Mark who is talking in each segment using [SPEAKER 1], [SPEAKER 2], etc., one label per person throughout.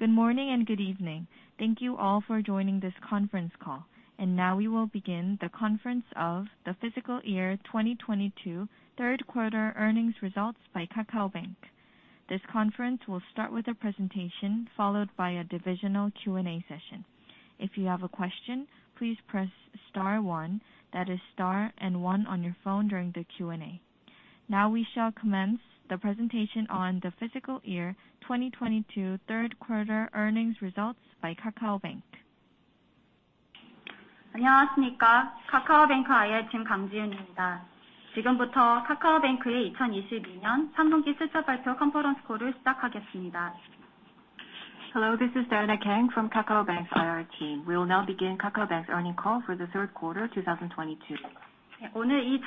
[SPEAKER 1] Good morning and good evening. Thank you all for joining this conference call. Now we will begin the conference call for the fiscal year 2022 third quarter earnings results by KakaoBank. This conference will start with a presentation followed by a divisional Q&A session. If you have a question, please press star one, that is star and one on your phone during the Q&A. Now we shall commence the presentation on the fiscal year 2022 third quarter earnings results by KakaoBank.
[SPEAKER 2] Hello, this is Dianna Kang from KakaoBank's IR team. We will now begin KakaoBank's earnings call for the third quarter 2022. We are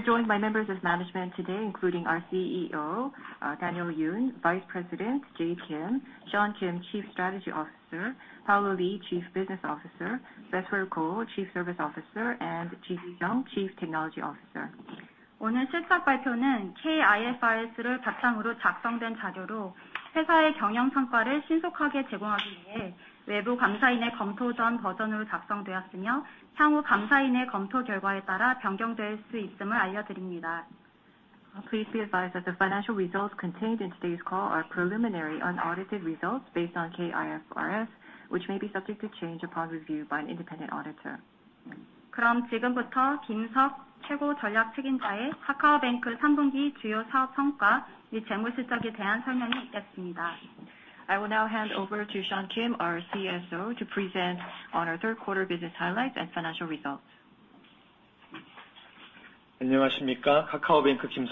[SPEAKER 2] joined by members of management today, including our CEO, Daniel Yoon, Vice President, Jay Kim, Sean Kim, Chief Strategy Officer, Paolo Lee, Chief Business Officer, Bethuel Koh, Chief Service Officer, and Gigi Jung, Chief Technology Officer. Please be advised that the financial results contained in today's call are preliminary unaudited results based on KIFRS, which may be subject to change upon review by an independent auditor. I will now hand over to Sean Kim, our CSO, to present on our third quarter business highlights and financial results.
[SPEAKER 3] Yes, good morning. This is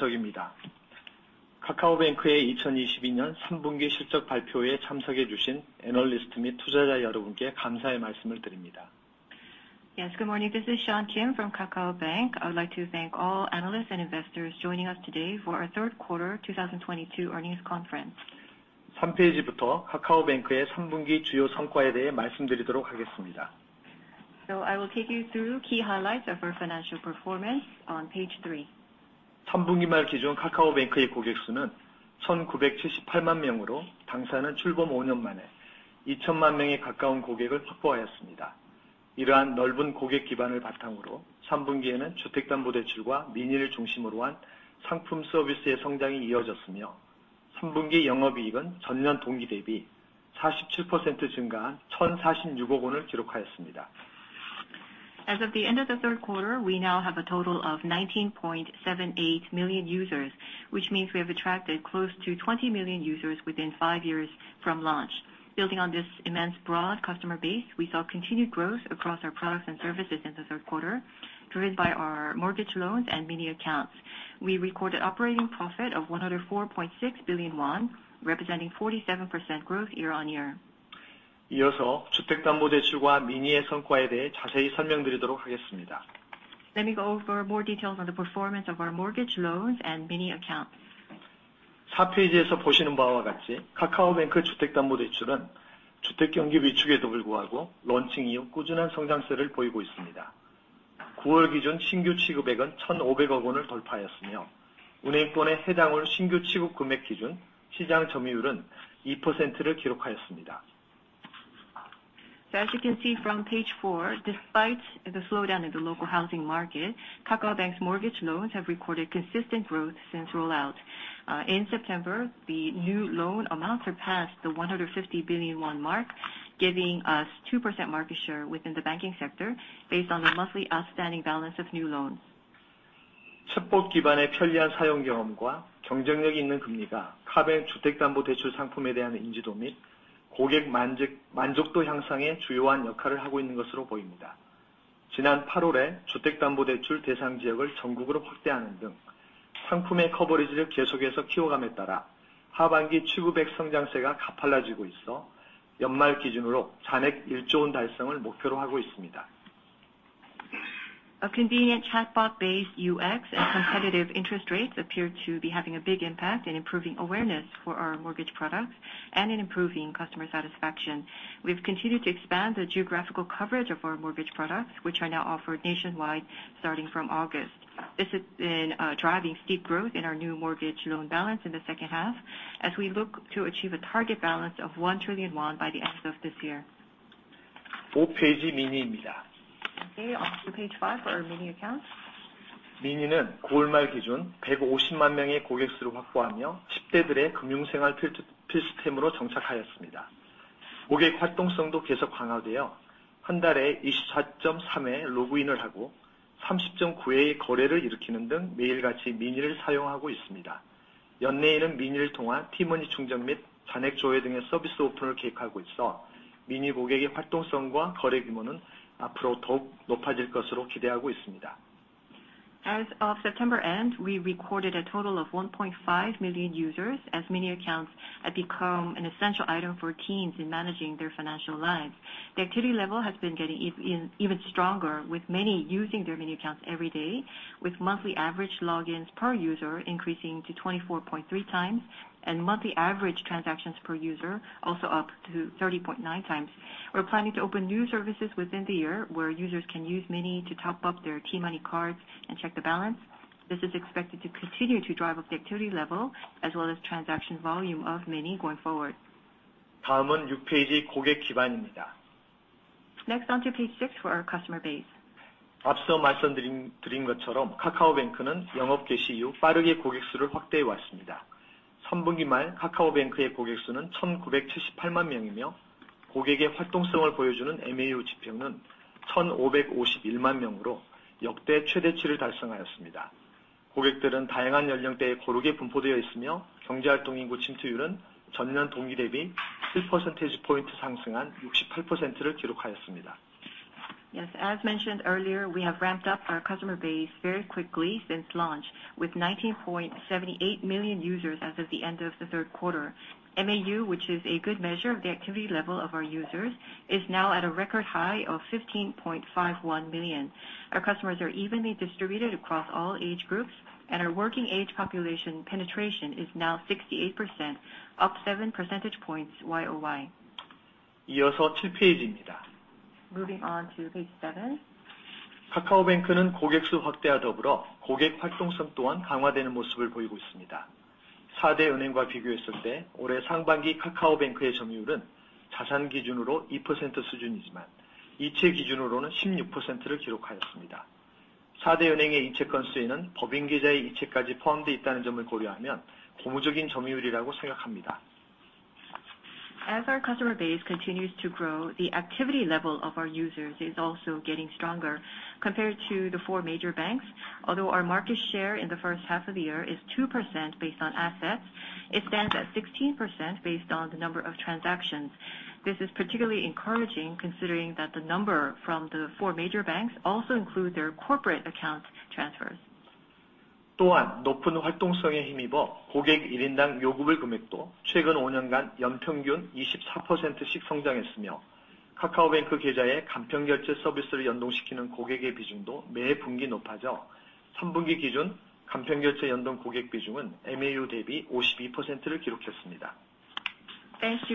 [SPEAKER 3] Sean Kim from KakaoBank. I would like to thank all analysts and investors joining us today for our third quarter 2022 earnings conference. I will take you through key highlights of our financial performance on page three. As of the end of the third quarter, we now have a total of 19.78 million users, which means we have attracted close to 20 million users within 5 years from launch. Building on this immense broad customer base, we saw continued growth across our products and services in the third quarter, driven by our mortgage loans and Mini accounts. We recorded operating profit of 104.6 billion won, representing 47% growth year-on-year. Let me go over more details on the performance of our mortgage loans and Mini accounts. A convenient chatbot-based UX and competitive interest rates appear to be having a big impact in improving awareness for our mortgage products and in improving customer satisfaction. We've continued to expand the geographical coverage of our mortgage products, which are now offered nationwide starting from August. This has been driving steep growth in our new mortgage loan balance in the second half as we look to achieve a target balance of 1 trillion won by the end of this year. Okay, on to page five for our Mini accounts. As of September end, we recorded a total of 1.5 million users as Mini accounts have become an essential item for teens in managing their financial lives. The activity level has been getting even stronger with many using their Mini accounts every day, with monthly average logins per user increasing to 24.3x, and monthly average transactions per user also up to 30.9x. We're planning to open new services within the year where users can use Mini to top up their T-money cards and check the balance. This is expected to continue to drive up the activity level as well as transaction volume of Mini going forward. Next on to page six for our customer base. Yes, as mentioned earlier, we have ramped up our customer base very quickly since launch with 19.78 million users as of the end of the third quarter. MAU, which is a good measure of the activity level of our users, is now at a record high of 15.51 million. Our customers are evenly distributed across all age groups, and our working age population penetration is now 68%, up 7 percentage points Y-o-Y. Moving on to page seven. As our customer base continues to grow, the activity level of our users is also getting stronger compared to the four major banks, although our market share in the first half of the year is 2% based on assets. It stands at 16% based on the number of transactions. This is particularly encouraging considering that the number from the four major banks also include their corporate account transfers. Thanks to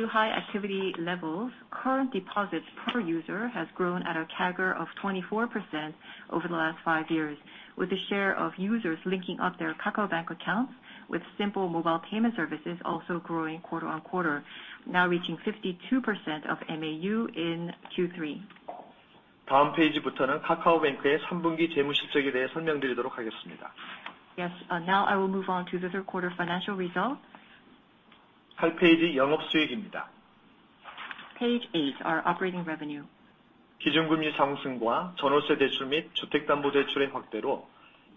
[SPEAKER 3] high activity levels, current deposits per user has grown at a CAGR of 24% over the last 5 years, with the share of users linking up their KakaoBank accounts with simple mobile payment services also growing quarter-over-quarter, now reaching 52% of MAU in Q3. Yes, now I will move on to the third quarter financial results. Page 8, our operating revenue. Interest income continued growth driven by the policy rate hike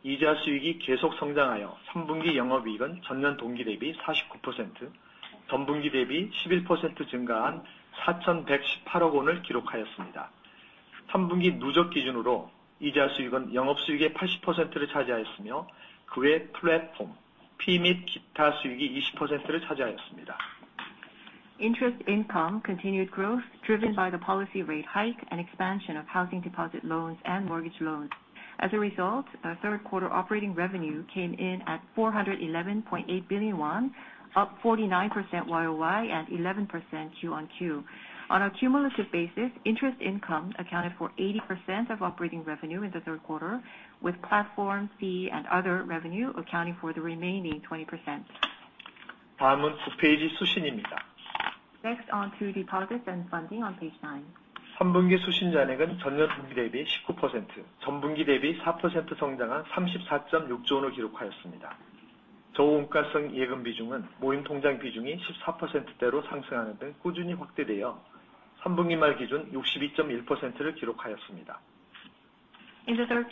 [SPEAKER 3] and expansion of housing deposit loans and mortgage loans. As a result, our third quarter operating revenue came in at KRW 411.8 billion, up 49% Y-o-Y and 11% Q-o-Q. On a cumulative basis, interest income accounted for 80% of operating revenue in the third quarter, with platform fee and other revenue accounting for the remaining 20%. Next on to deposits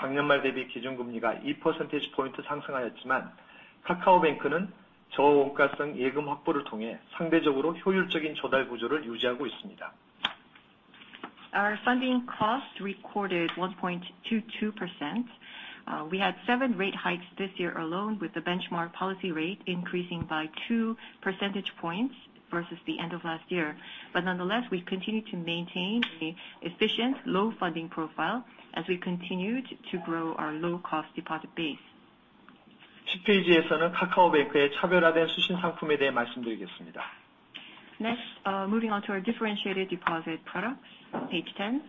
[SPEAKER 3] and funding on page nine. In the third quarter, our deposit balance grew 19% Y-o-Y and 4% Q-o-Q, recording KRW 34.6 trillion. The share of low cost deposits increased to 62.1% as of the end of the third quarter, driven in large part by growth in contribution from group accounts, which contributed 14%. Our funding costs recorded 1.22%. We had 7 rate hikes this year alone with the benchmark policy rate increasing by 2 percentage points versus the end of last year. Nonetheless, we've continued to maintain an efficient low funding profile as we continued to grow our low cost deposit base. Next, moving on to our differentiated deposit products. Page 10.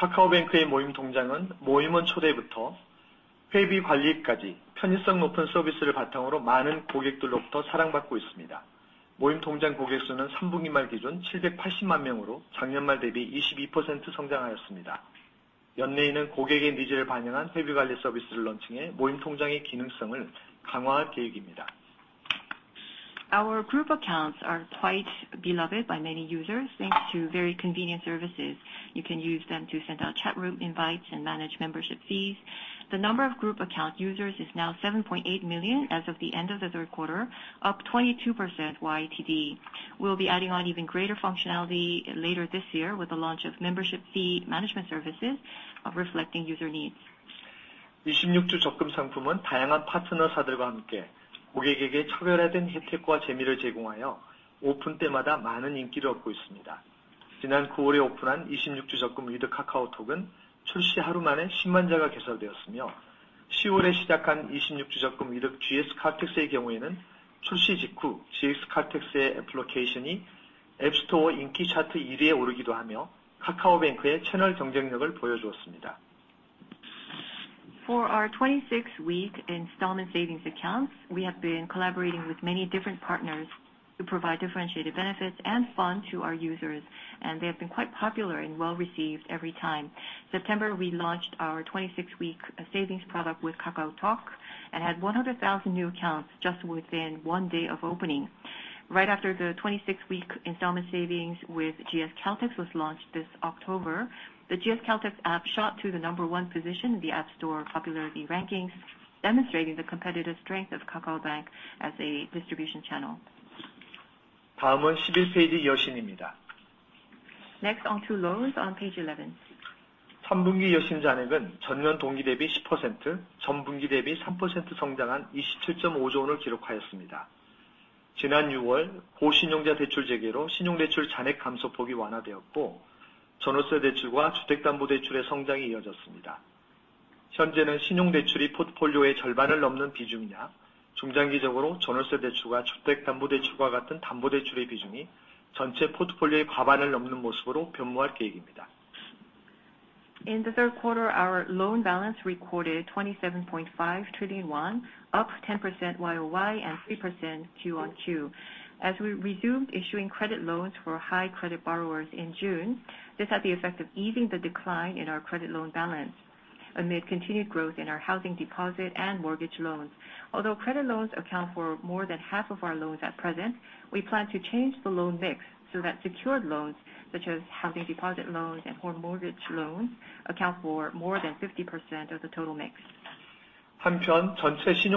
[SPEAKER 3] Our group accounts are quite beloved by many users thanks to very convenient services. You can use them to send out chat room invites and manage membership fees. The number of group account users is now 7.8 million as of the end of the third quarter, up 22% YTD. We'll be adding on even greater functionality later this year with the launch of membership fee management services, reflecting user needs. For our 26-week installment savings accounts, we have been collaborating with many different partners to provide differentiated benefits and fun to our users, and they have been quite popular and well-received every time. September, we launched our 26-week savings product with KakaoTalk and had 100,000 new accounts just within one day of opening. Right after the 26-week installment savings with GS Caltex was launched this October, the GS Caltex app shot to the No. 1 position in the App Store popularity rankings, demonstrating the competitive strength of KakaoBank as a distribution channel. Next on to loans on page 11. In the third quarter, our loan balance recorded KRW 27.5 trillion, up 10% Y-o-Y and 3% Q-o-Q. As we resumed issuing credit loans for high credit borrowers in June, this had the effect of easing the decline in our credit loan balance amid continued growth in our housing deposit and mortgage loans. Although credit loans account for more than half of our loans at present, we plan to change the loan mix so that secured loans such as housing deposit loans and home mortgage loans account for more than 50% of the total mix. Meanwhile, mid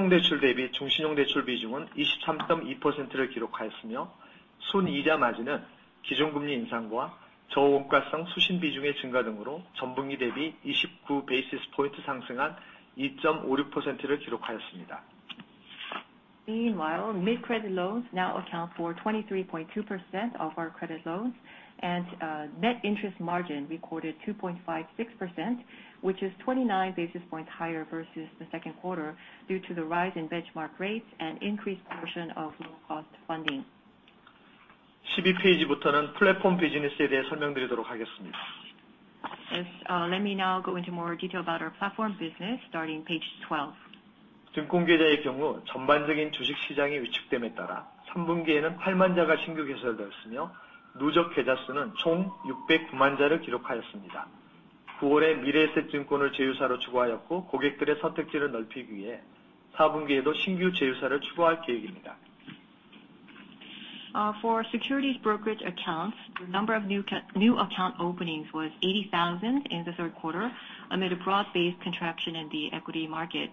[SPEAKER 3] credit loans now account for 23.2% of our credit loans, and net interest margin recorded 2.56%, which is 29 basis points higher versus the second quarter due to the rise in benchmark rates and increased portion of low-cost funding. Yes, let me now go into more detail about our platform business starting page 12. For securities brokerage accounts, the number of new account openings was 80,000 in the third quarter amid a broad-based contraction in the equity markets,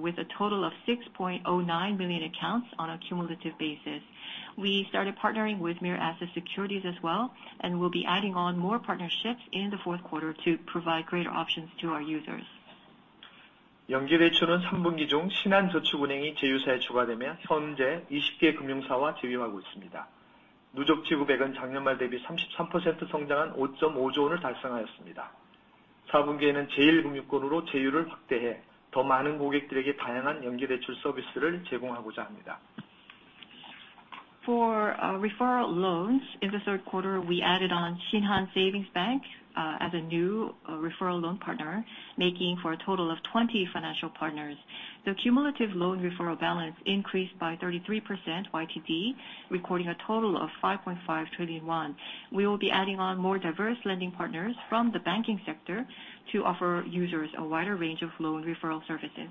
[SPEAKER 3] with a total of 6.09 million accounts on a cumulative basis. We started partnering with Mirae Asset Securities as well, and we'll be adding on more partnerships in the fourth quarter to provide greater options to our users. For referral loans, in the third quarter, we added on Shinhan Savings Bank as a new referral loan partner, making for a total of 20 financial partners. The cumulative loan referral balance increased by 33% YTD, recording a total of 5.5 trillion won. We will be adding on more diverse lending partners from the banking sector to offer users a wider range of loan referral services.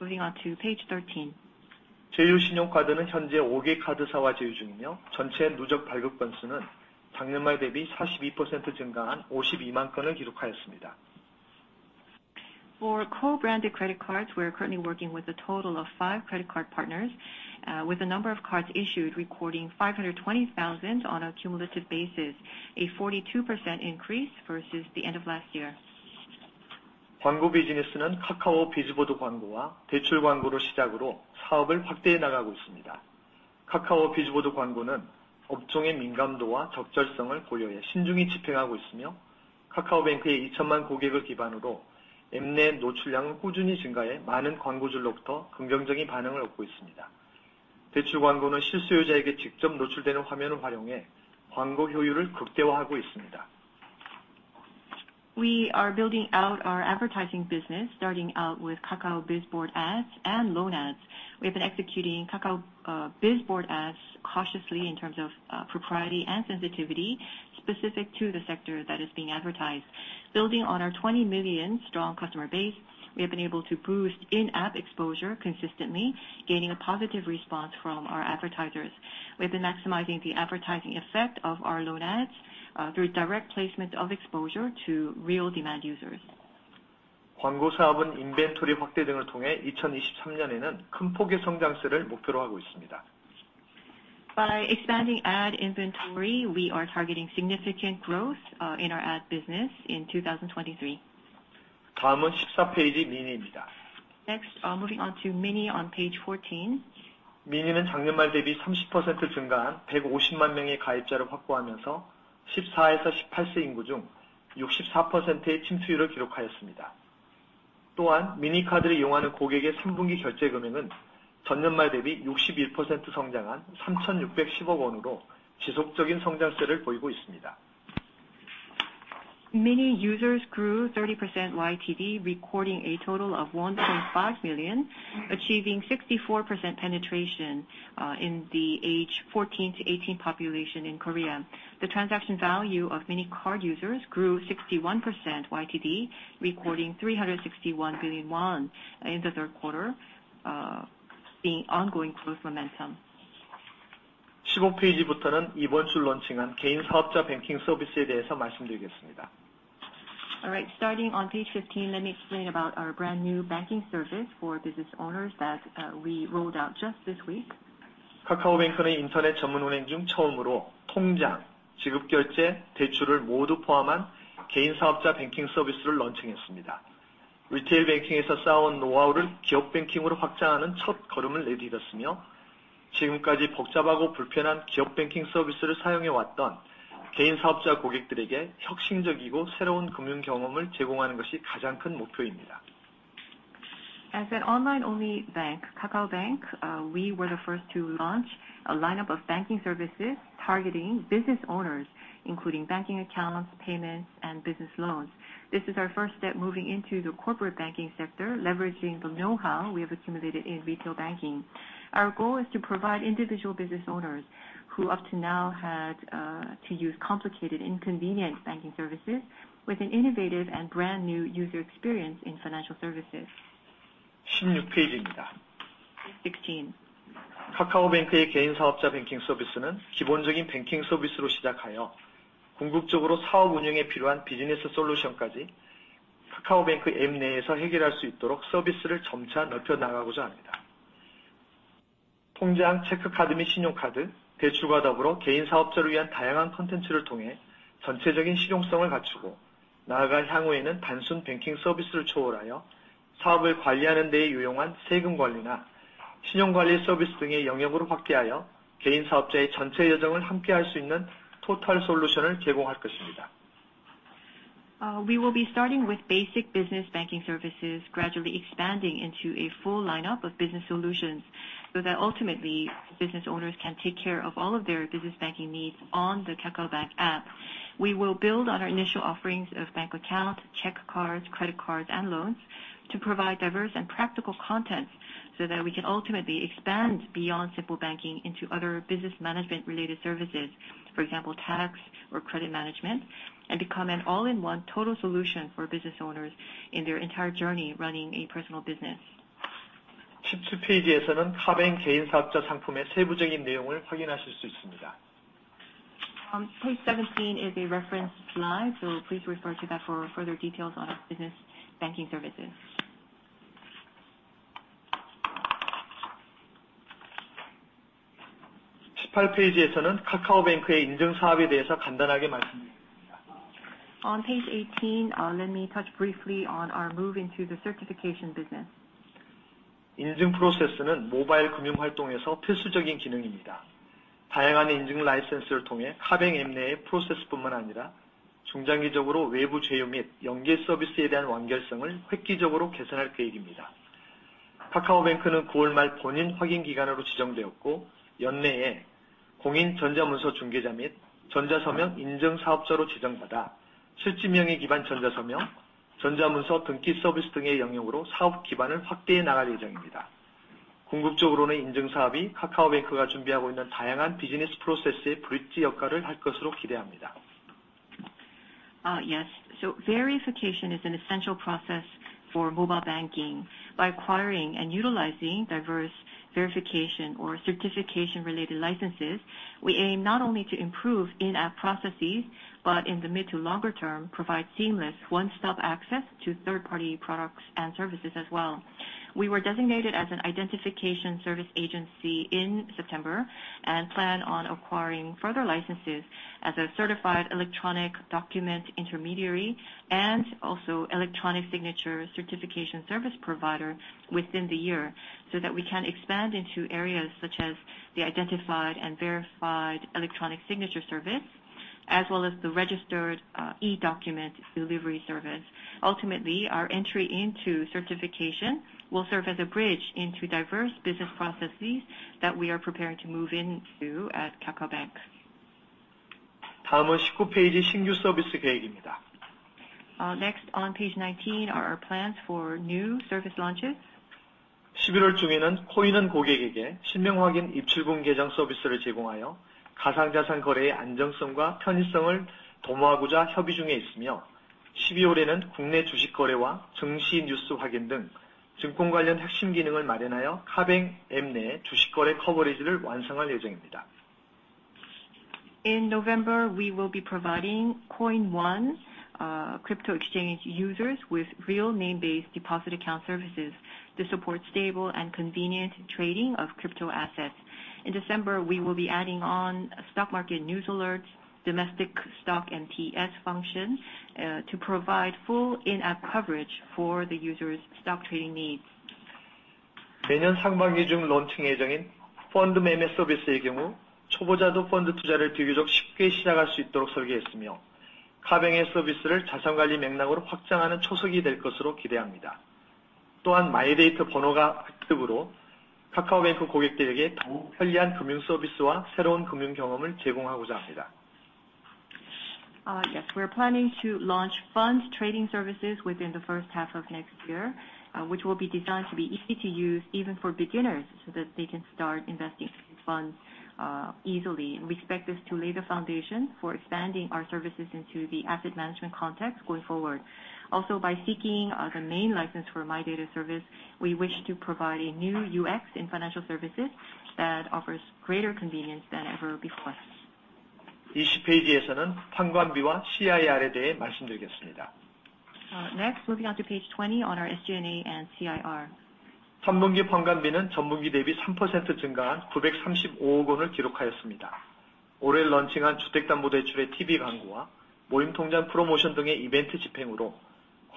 [SPEAKER 3] Moving on to page 13. For co-branded credit cards, we are currently working with a total of five credit card partners, with the number of cards issued recording 520,000 on a cumulative basis, a 42% increase versus the end of last year. We are building out our advertising business, starting out with Kakao Bizboard ads and loan ads. We have been executing Kakao Bizboard ads cautiously in terms of propriety and sensitivity specific to the sector that is being advertised. Building on our 20 million strong customer base, we have been able to boost in-app exposure consistently, gaining a positive response from our advertisers. We've been maximizing the advertising effect of our loan ads through direct placement of exposure to real demand users. By expanding ad inventory, we are targeting significant growth in our ad business in 2023. Next, moving on to Mini on page 14. Mini users grew 30% YTD, recording a total of 1.5 million, achieving 64% penetration in the age 14 to 18 population in Korea. The transaction value of Mini card users grew 61% YTD, recording KRW 361 billion in the third quarter, seeing ongoing growth momentum. All right. Starting on page 15, let me explain about our brand new banking service for business owners that we rolled out just this week. As an online-only bank, KakaoBank, we were the first to launch a lineup of banking services targeting business owners, including banking accounts, payments, and business loans. This is our first step moving into the corporate banking sector, leveraging the know-how we have accumulated in retail banking. Our goal is to provide individual business owners who up to now had to use complicated, inconvenient banking services, with an innovative and brand new user experience in financial services. Page 16. We will be starting with basic business banking services, gradually expanding into a full lineup of business solutions so that ultimately business owners can take care of all of their business banking needs on the KakaoBank app. We will build on our initial offerings of bank accounts, check cards, credit cards, and loans to provide diverse and practical content so that we can ultimately expand beyond simple banking into other business management related services. For example, tax or credit management, and become an all-in-one total solution for business owners in their entire journey running a personal business. Page 17 is a reference slide, so please refer to that for further details on our business banking services. On page 18, let me touch briefly on our move into the certification business. Verification is an essential process for mobile banking. By acquiring and utilizing diverse verification or certification-related licenses, we aim not only to improve in-app processes, but in the mid to longer term, provide seamless one-stop access to third-party products and services as well. We were designated as an identification service agency in September, and plan on acquiring further licenses as a certified electronic document intermediary and also electronic signature certification service provider within the year, so that we can expand into areas such as the identified and verified electronic signature service, as well as the registered e-document delivery service. Ultimately, our entry into certification will serve as a bridge into diverse business processes that we are preparing to move into at KakaoBank. Next on page 19 are our plans for new service launches. In November, we will be providing Coinone crypto exchange users with real name-based deposit account services to support stable and convenient trading of crypto assets. In December, we will be adding on stock market news alerts, domestic stock and TS function, to provide full in-app coverage for the users' stock trading needs. Yes, we are planning to launch funds trading services within the first half of next year, which will be designed to be easy to use even for beginners, so that they can start investing in funds easily. We expect this to lay the foundation for expanding our services into the asset management context going forward. By seeking the main license for MyData service, we wish to provide a new UX in financial services that offers greater convenience than ever before. Next, moving on to page 20 on our SG&A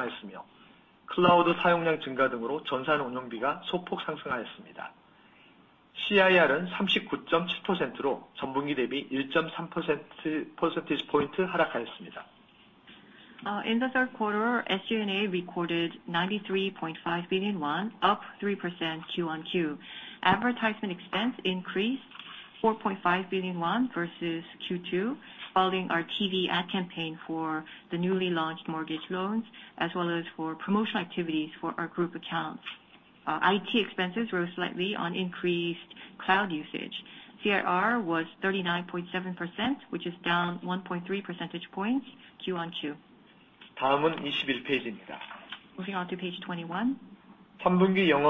[SPEAKER 3] and CIR. In the third quarter, SG&A recorded 93.5 billion won, up 3% Q-o-Q. Advertising expense increased 4.5 billion won versus Q2, following our TV ad campaign for the newly launched mortgage loans, as well as for promotional activities for our group accounts. IT expenses rose slightly on increased cloud usage. CIR was 39.7%, which is down 1.3 percentage points Q-o-Q. Moving on to page 21. Third quarter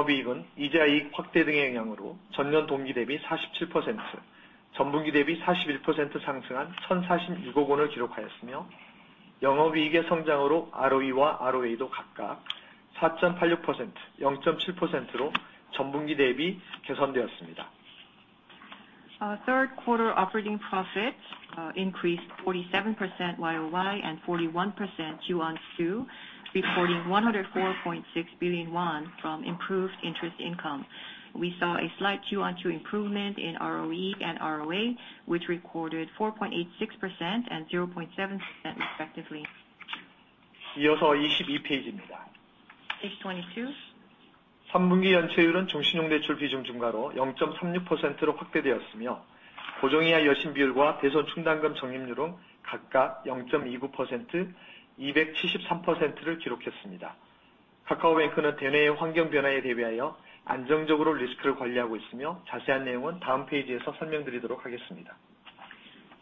[SPEAKER 3] operating profits increased 47% Y-o-Y and 41% Q-o-Q, recording KRW 104.6 billion from improved interest income. We saw a slight Q-o-Q improvement in ROE and ROA, which recorded 4.86% and 0.7% respectively. Page 22.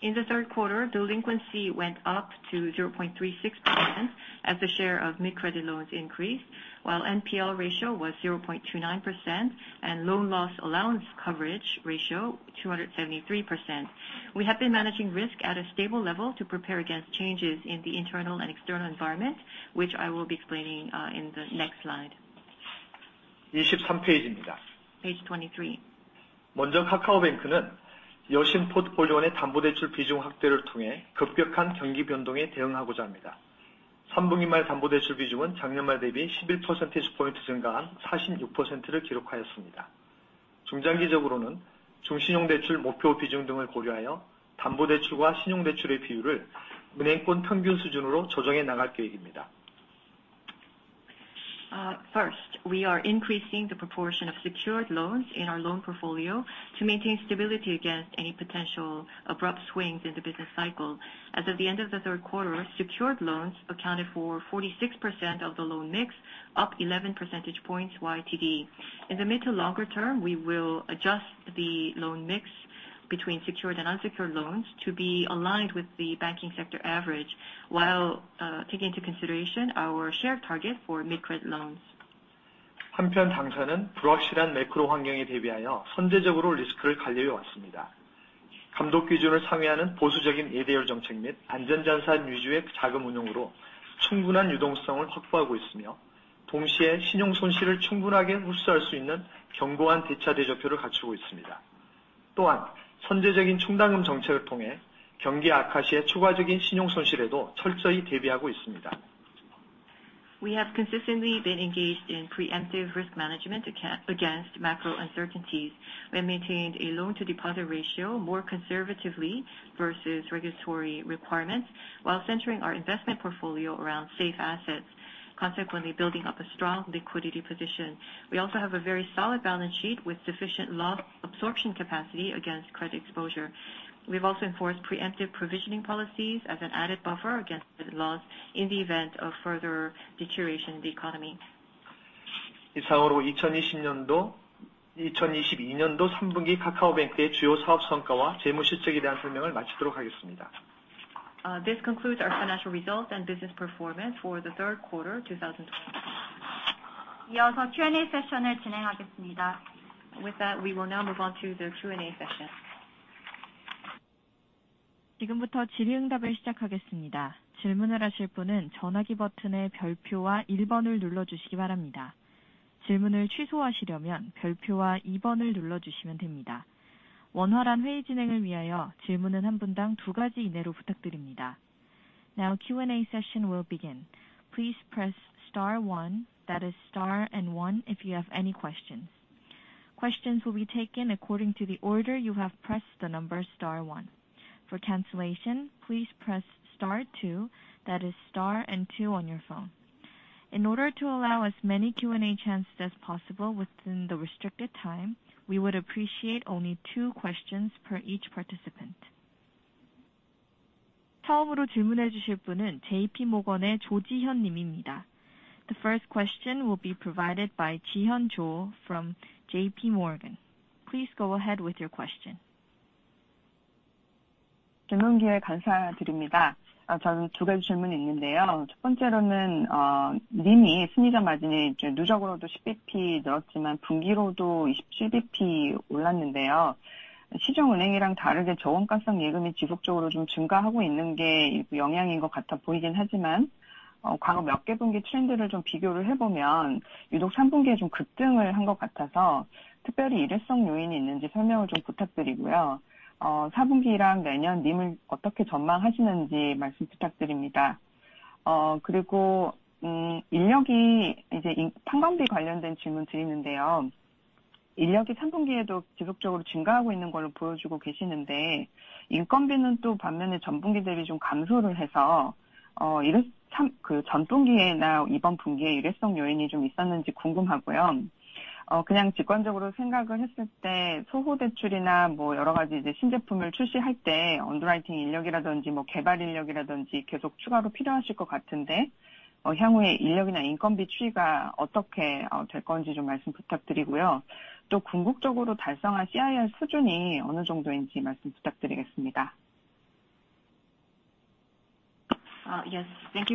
[SPEAKER 3] In the third quarter, delinquency went up to 0.36% as the share of mid-credit loans increased, while NPL ratio was 0.29% and loan loss allowance coverage ratio 273%. We have been managing risk at a stable level to prepare against changes in the internal and external environment, which I will be explaining in the next slide. Page 23. First, we are increasing the proportion of secured loans in our loan portfolio to maintain stability against any potential abrupt swings in the business cycle. As of the end of the third quarter, secured loans accounted for 46% of the loan mix, up 11 percentage points YTD. In the mid to longer term, we will adjust the loan mix between secured and unsecured loans to be aligned with the banking sector average while taking into consideration our shared target for mid credit loans. We have consistently been engaged in preemptive risk management against macro uncertainties and maintained a loan to deposit ratio more conservatively versus regulatory requirements while centering our investment portfolio around safe assets. Consequently, building up a strong liquidity position. We also have a very solid balance sheet with sufficient loss absorption capacity against credit exposure. We've also enforced preemptive provisioning policies as an added buffer against credit loss in the event of further deterioration in the economy. This concludes our financial results and business performance for the third quarter 2022. With that, we will now move on to the Q&A session.
[SPEAKER 1] Now Q&A session will begin. Please press star one, that is star and one, if you have any questions. Questions will be taken according to the order you have pressed the number star one. For cancellation, please press star two, that is star and two on your phone. In order to allow as many Q&A chances as possible within the restricted time, we would appreciate only two questions per each participant. The first question will be provided by Jihyun Cho from J.P. Morgan. Please go ahead with your question.
[SPEAKER 4] Yes, thank you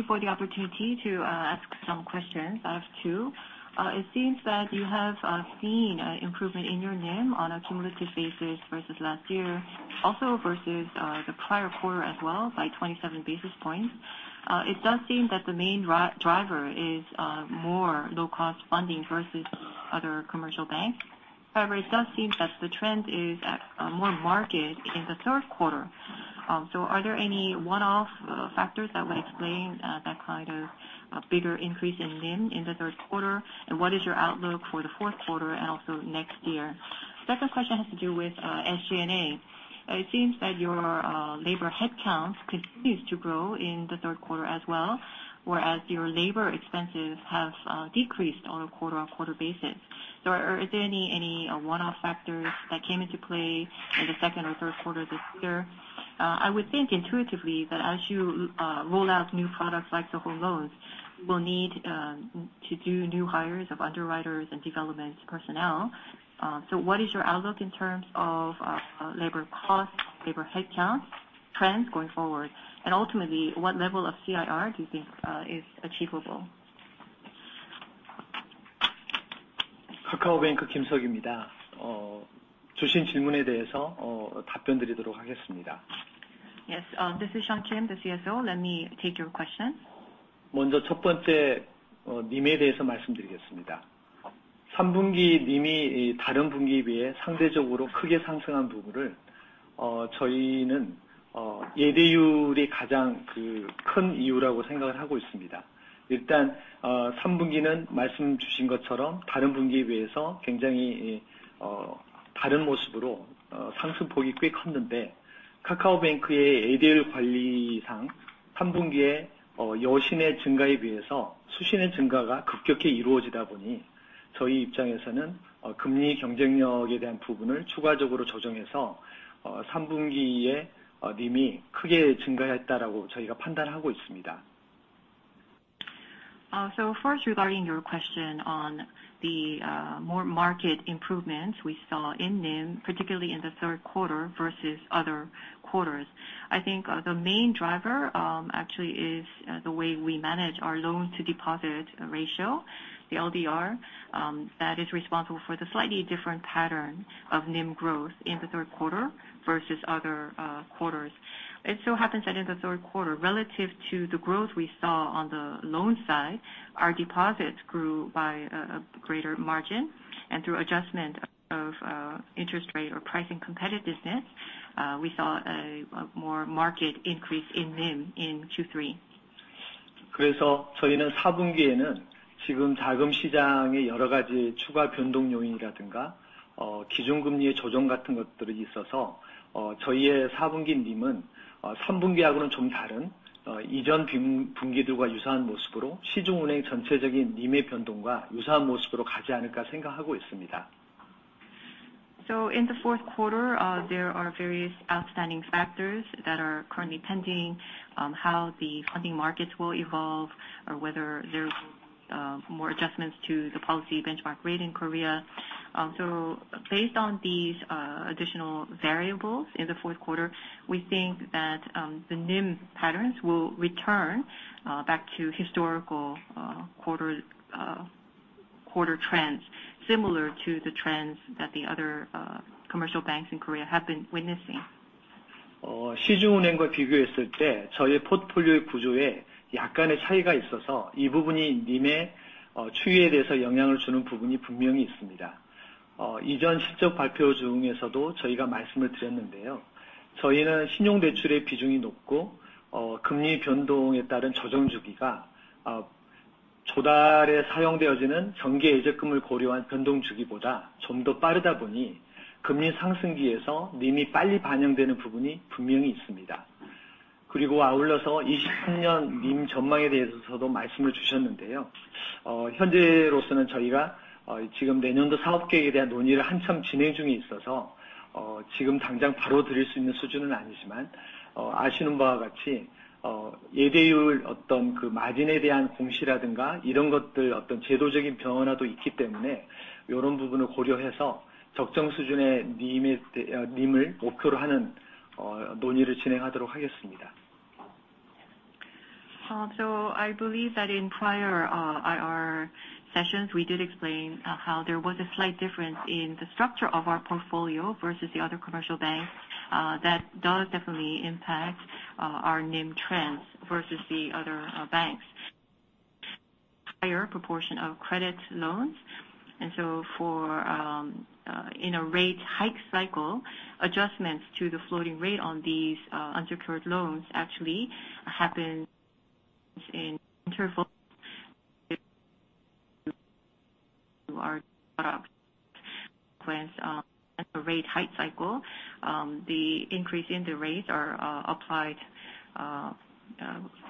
[SPEAKER 4] for the opportunity to ask some questions out of two. It seems that you have seen improvement in your NIM on a cumulative basis versus last year, also versus the prior quarter as well by 27 basis points. It does seem that the main driver is more low-cost funding versus other commercial banks. However, it does seem that the trend is more marked in the third quarter. So are there any one-off factors that would explain that kind of a bigger increase in NIM in the third quarter? And what is your outlook for the fourth quarter and also next year? Second question has to do with SG&A. It seems that your labor headcount continues to grow in the third quarter as well, whereas your labor expenses have decreased on a quarter-over-quarter basis. Is there any one-off factors that came into play in the second or third quarter this year? I would think intuitively that as you roll out new products like the home loans, we'll need to do new hires of underwriters and development personnel. What is your outlook in terms of labor costs, labor headcount trends going forward? Ultimately, what level of CIR do you think is achievable?
[SPEAKER 3] Yes, this is Sean Kim, the CSO. Let me take your question. First regarding your question on the more marked improvements we saw in NIM, particularly in the third quarter versus other quarters. I think, the main driver, actually is, the way we manage our loan-to-deposit ratio, the LDR, that is responsible for the slightly different pattern of NIM growth in the third quarter versus other, quarters. It so happens that in the third quarter, relative to the growth we saw on the loan side, our deposits grew by a greater margin. Through adjustment of, interest rate or pricing competitiveness, we saw a more marked increase in NIM in Q3. 지금 자금시장의 여러 가지 추가 변동 요인이라든가, 기준금리의 조정 같은 것들이 있어서, 저희의 사 분기 NIM은, 삼 분기하고는 좀 다른, 이전 분기들과 유사한 모습으로 시중은행 전체적인 NIM의 변동과 유사한 모습으로 가지 않을까 생각하고 있습니다.
[SPEAKER 5] In the fourth quarter, there are various outstanding factors that are currently pending, how the funding markets will evolve or whether there will be more adjustments to the policy benchmark rate in Korea. Based on these additional variables in the fourth quarter, we think that the NIM patterns will return back to historical quarter trends similar to the trends that the other commercial banks in Korea have been witnessing.
[SPEAKER 3] 시중은행과 비교했을 때 저희 포트폴리오의 구조에 약간의 차이가 있어서 이 부분이 NIM의 추이에 대해서 영향을 주는 부분이 분명히 있습니다. 이전 실적 발표 중에서도 저희가 말씀을 드렸는데요. 저희는 신용대출의 비중이 높고, 금리 변동에 따른 조정 주기가 조달에 사용되어지는 정기 예적금을 고려한 변동 주기보다 좀더 빠르다 보니 금리 상승기에서 NIM이 빨리 반영되는 부분이 분명히 있습니다. 아울러서 2023년 NIM 전망에 대해서도 말씀을 주셨는데요. 현재로서는 저희가 지금 내년도 사업 계획에 대한 논의를 한참 진행 중에 있어서 지금 당장 바로 드릴 수 있는 수준은 아니지만, 아시는 바와 같이 예대율 어떤 그 마진에 대한 공시라든가, 이런 것들 어떤 제도적인 변화도 있기 때문에 이런 부분을 고려해서 적정 수준의 NIM을 목표로 하는 논의를 진행하도록 하겠습니다.
[SPEAKER 5] I believe that in prior IR sessions, we did explain how there was a slight difference in the structure of our portfolio versus the other commercial banks that does definitely impact our NIM trends versus the other banks. Higher proportion of credit loans. In a rate hike cycle, adjustments to the floating rate on these unsecured loans actually happens in interval to our products when at the rate hike cycle the increase in the rates are applied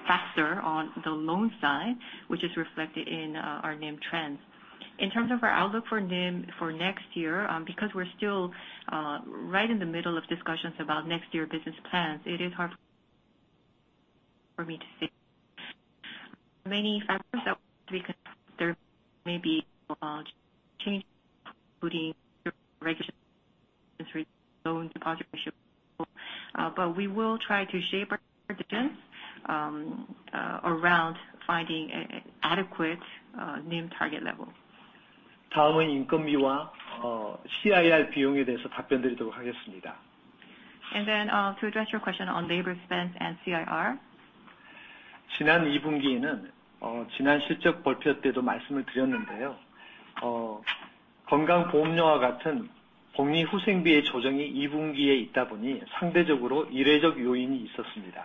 [SPEAKER 5] faster on the loan side, which is reflected in our NIM trends. In terms of our outlook for NIM for next year, because we're still right in the middle of discussions about next year business plans, it is hard for me to say. Many factors that we consider may be changed, including regulation, the loan-to-deposit ratio. We will try to shape our decisions around finding an adequate NIM target level.
[SPEAKER 3] 다음은 인건비와 CIR 비용에 대해서 답변드리도록 하겠습니다.
[SPEAKER 5] To address your question on labor spend and CIR.
[SPEAKER 3] 지난 이 분기에는, 지난 실적 발표 때도 말씀을 드렸는데요, 건강보험료와 같은 복리후생비의 조정이 이 분기에 있다 보니 상대적으로 일회적 요인이 있었습니다.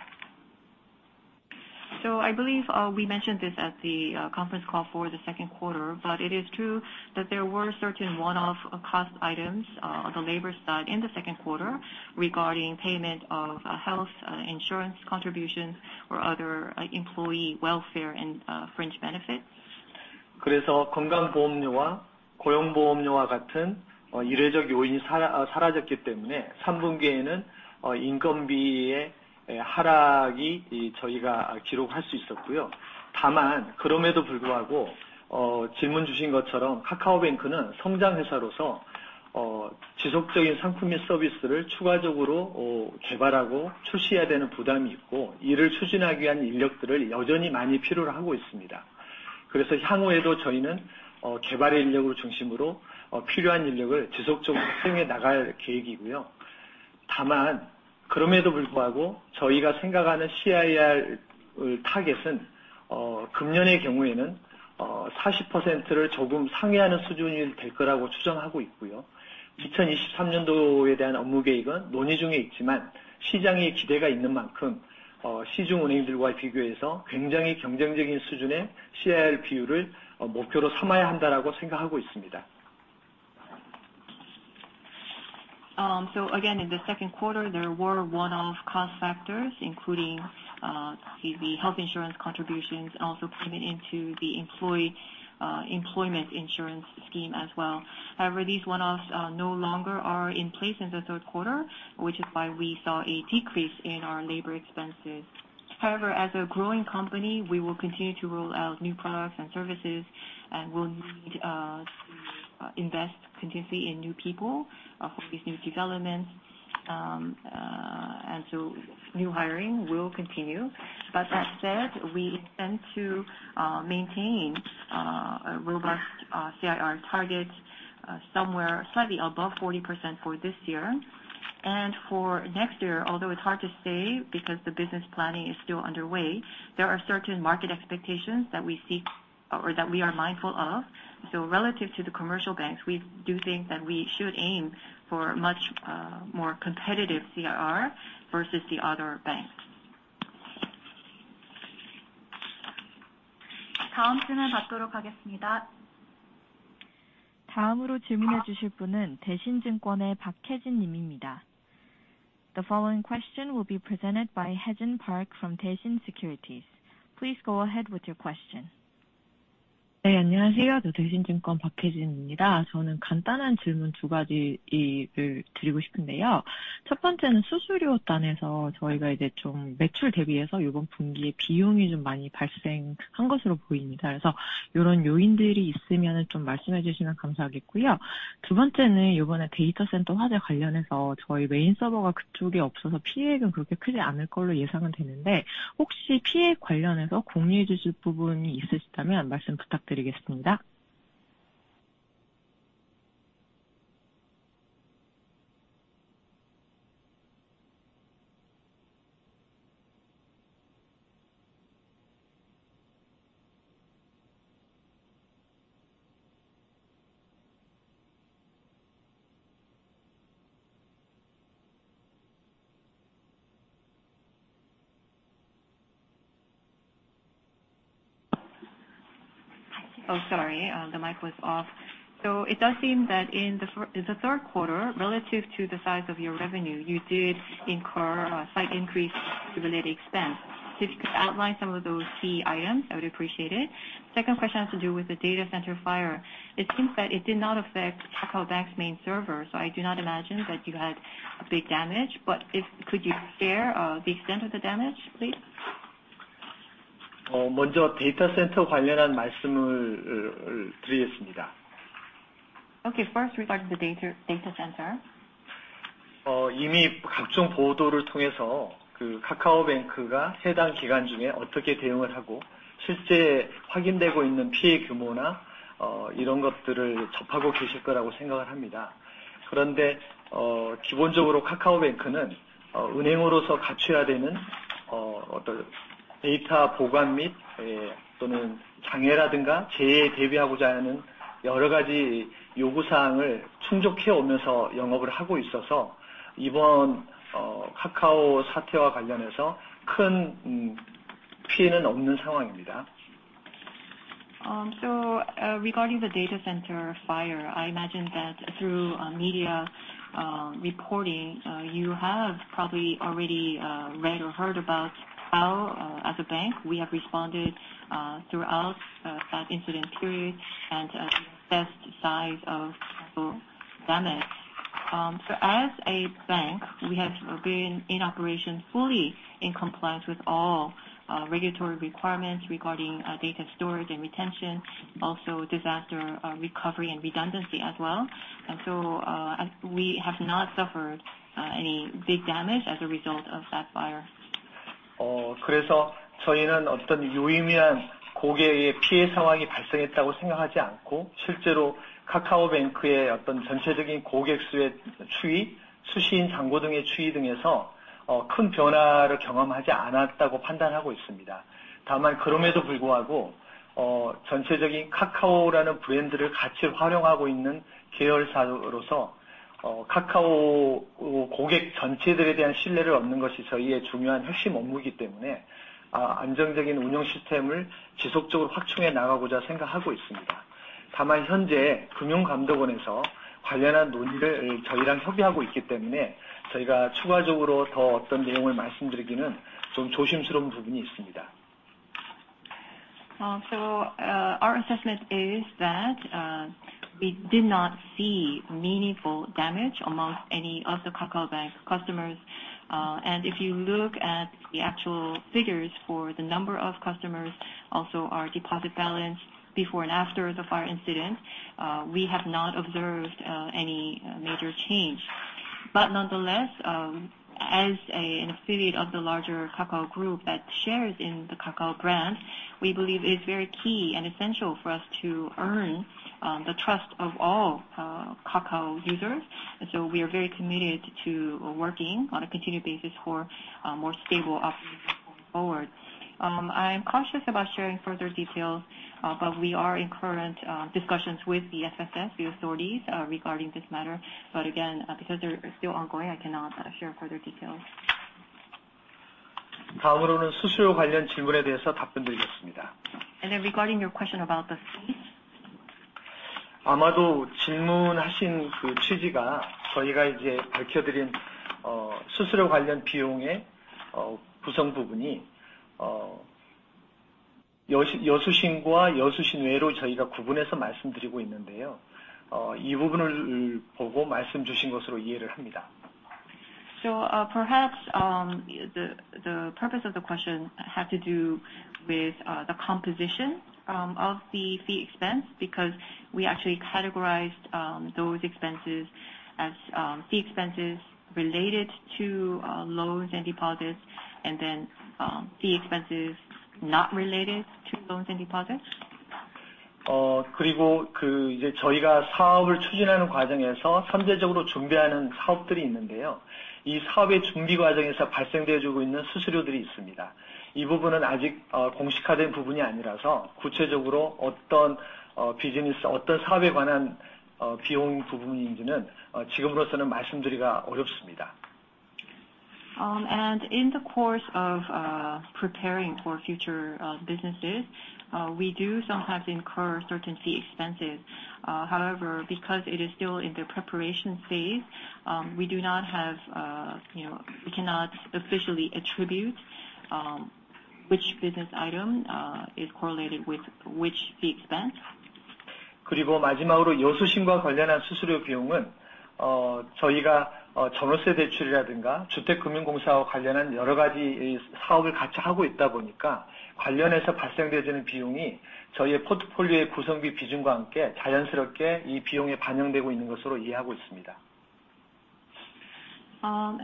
[SPEAKER 5] I believe we mentioned this at the conference call for the second quarter, but it is true that there were certain one-off cost items on the labor side in the second quarter regarding payment of health insurance contributions or other employee welfare and fringe benefits.
[SPEAKER 3] 건강보험료와 고용보험료와 같은 일회적 요인이 사라졌기 때문에 3분기에는 인건비의 하락을 저희가 기록할 수 있었고요. 다만 그럼에도 불구하고, 질문 주신 것처럼 카카오뱅크는 성장 회사로서 지속적인 상품 및 서비스를 추가적으로 개발하고 출시해야 되는 부담이 있고, 이를 추진하기 위한 인력들을 여전히 많이 필요로 하고 있습니다. 향후에도 저희는 개발 인력을 중심으로 필요한 인력을 지속적으로 채용해 나갈 계획이고요. 다만 그럼에도 불구하고 저희가 생각하는 CIR 타겟은, 금년의 경우에는 40%를 조금 상회하는 수준이 될 거라고 추정하고 있고요. 2023년도에 대한 업무 계획은 논의 중에 있지만, 시장의 기대가 있는 만큼 시중은행들과 비교해서 굉장히 경쟁적인 수준의 CIR 비율을 목표로 삼아야 한다라고 생각하고 있습니다.
[SPEAKER 5] Again, in the second quarter, there were one-off cost factors, including the health insurance contributions, also payment into the employee employment insurance scheme as well. However, these one-offs are no longer in place in the third quarter, which is why we saw a decrease in our labor expenses. However, as a growing company, we will continue to roll out new products and services, and we'll need to invest continuously in new people for these new developments. New hiring will continue. That said, we intend to maintain a robust CIR target somewhere slightly above 40% for this year. For next year, although it's hard to say because the business planning is still underway, there are certain market expectations that we seek or that we are mindful of. Relative to the commercial banks, we do think that we should aim for much more competitive CIR versus the other banks.
[SPEAKER 1] The following question will be presented by Hye-jin Park from Daishin Securities. Please go ahead with your question.
[SPEAKER 6] Okay. First, regarding the data center. Regarding the data center fire, I imagine that through media reporting, you have probably already read or heard about how, as a bank, we have responded throughout that incident period and the extent of the damage. As a bank, we have been in operation fully in compliance with all regulatory requirements regarding data storage and retention, and disaster recovery and redundancy as well. As we have not suffered any big damage as a result of that fire.
[SPEAKER 3] Our assessment is that we did not see meaningful damage amongst any of the KakaoBank customers. If you look at the actual figures for the number of customers, also our deposit balance before and after the fire incident, we have not observed any major change. Nonetheless, as an affiliate of the larger Kakao Group that shares in the Kakao brand, we believe it's very key and essential for us to earn the trust of all Kakao users. We are very committed to working on a continued basis for more stable operations going forward. I am cautious about sharing further details, but we are in current discussions with the FSS, the authorities, regarding this matter. Again, because they're still ongoing, I cannot share further details. Regarding your question about the fees. Perhaps the purpose of the question had to do with the composition of the fee expense because we actually categorized those expenses as fee expenses related to loans and deposits, and then fee expenses not related to loans and deposits. And in the course of preparing for future businesses, we do sometimes incur certain fee expenses. However, because it is still in the preparation phase, we do not have, you know, we cannot officially attribute which business item is correlated with which fee expense.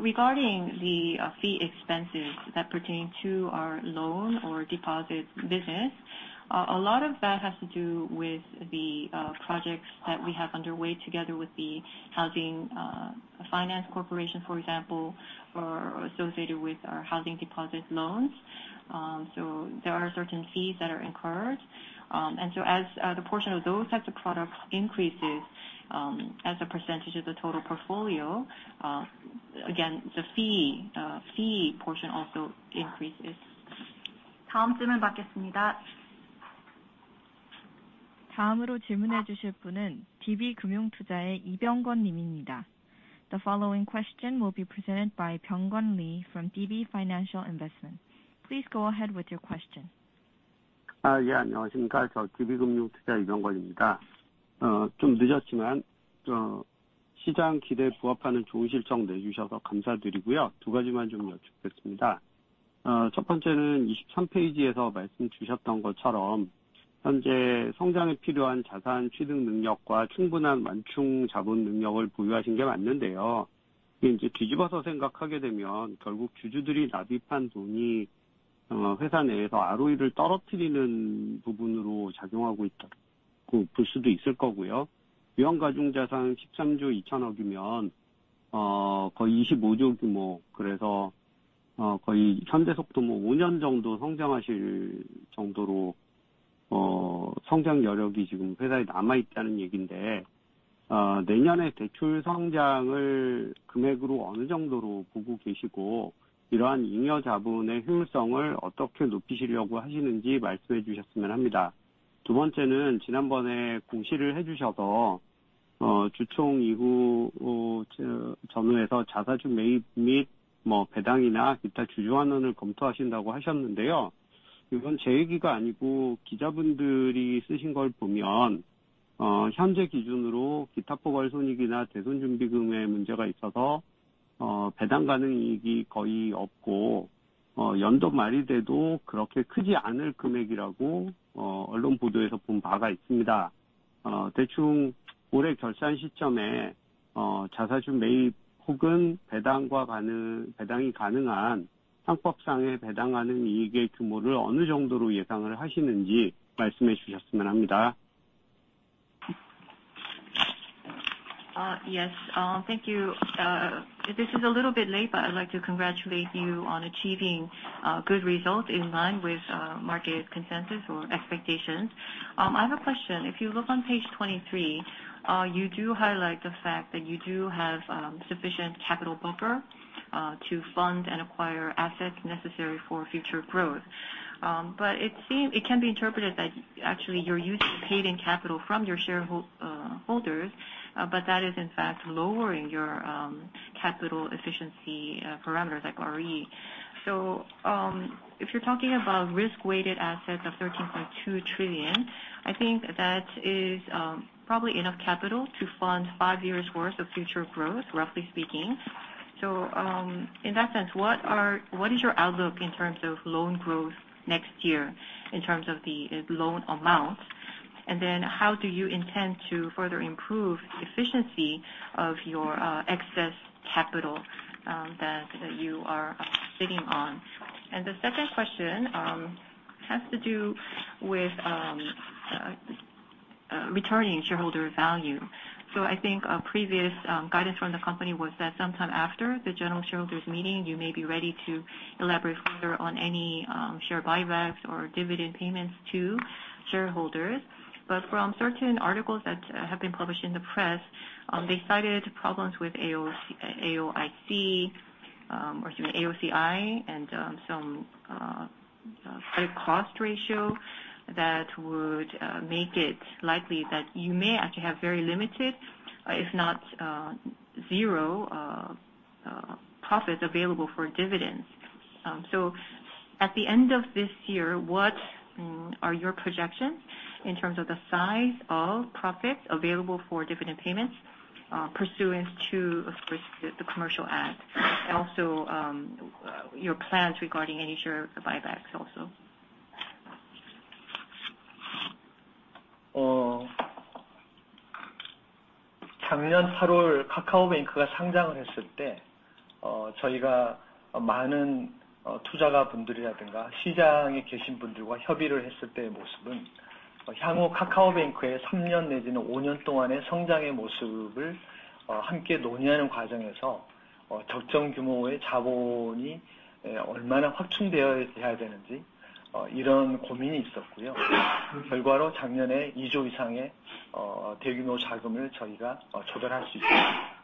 [SPEAKER 3] Regarding the fee expenses that pertain to our loan or deposit business, a lot of that has to do with the projects that we have underway together with the Housing Finance Corporation, for example, or associated with our housing deposit loans. There are certain fees that are incurred. As the portion of those types of products increases, as a percentage of the total portfolio, again, the fee portion also increases.
[SPEAKER 1] The following question will be presented by Byung-gun Lee from DB Financial Investment. Please go ahead with your question.
[SPEAKER 7] Yes. Yes. Thank you. This is a little bit late, but I'd like to congratulate you on achieving good results in line with market consensus or expectations. I have a question. If you look on page 23, you do highlight the fact that you do have sufficient capital buffer to fund and acquire assets necessary for future growth. But it can be interpreted that actually you're used to paying capital from your shareholders, but that is in fact lowering your capital efficiency parameters like ROE. If you're talking about risk-weighted assets of 13.2 trillion, I think that is probably enough capital to fund five years' worth of future growth, roughly speaking. In that sense, what is your outlook in terms of loan growth next year in terms of the loan amount? And then how do you intend to further improve efficiency of your excess capital that you are sitting on? And the second question has to do with returning shareholder value. I think a previous guidance from the company was that sometime after the general shareholders meeting, you may be ready to elaborate further on any share buybacks or dividend payments to shareholders. From certain articles that have been published in the press, they cited problems with AOCI and some credit cost ratio that would make it likely that you may actually have very limited, if not zero, profits available for dividends. At the end of this year, what are your projections in terms of the size of profits available for dividend payments pursuant to the Commercial Act? Also, your plans regarding any share buybacks?
[SPEAKER 3] 함께 논의하는 과정에서 적정 규모의 자본이 얼마나 확충되어야 되는지 이런 고민이 있었고요. 결과로 작년에 이조 이상의 대규모 자금을 저희가 조달할 수 있었습니다.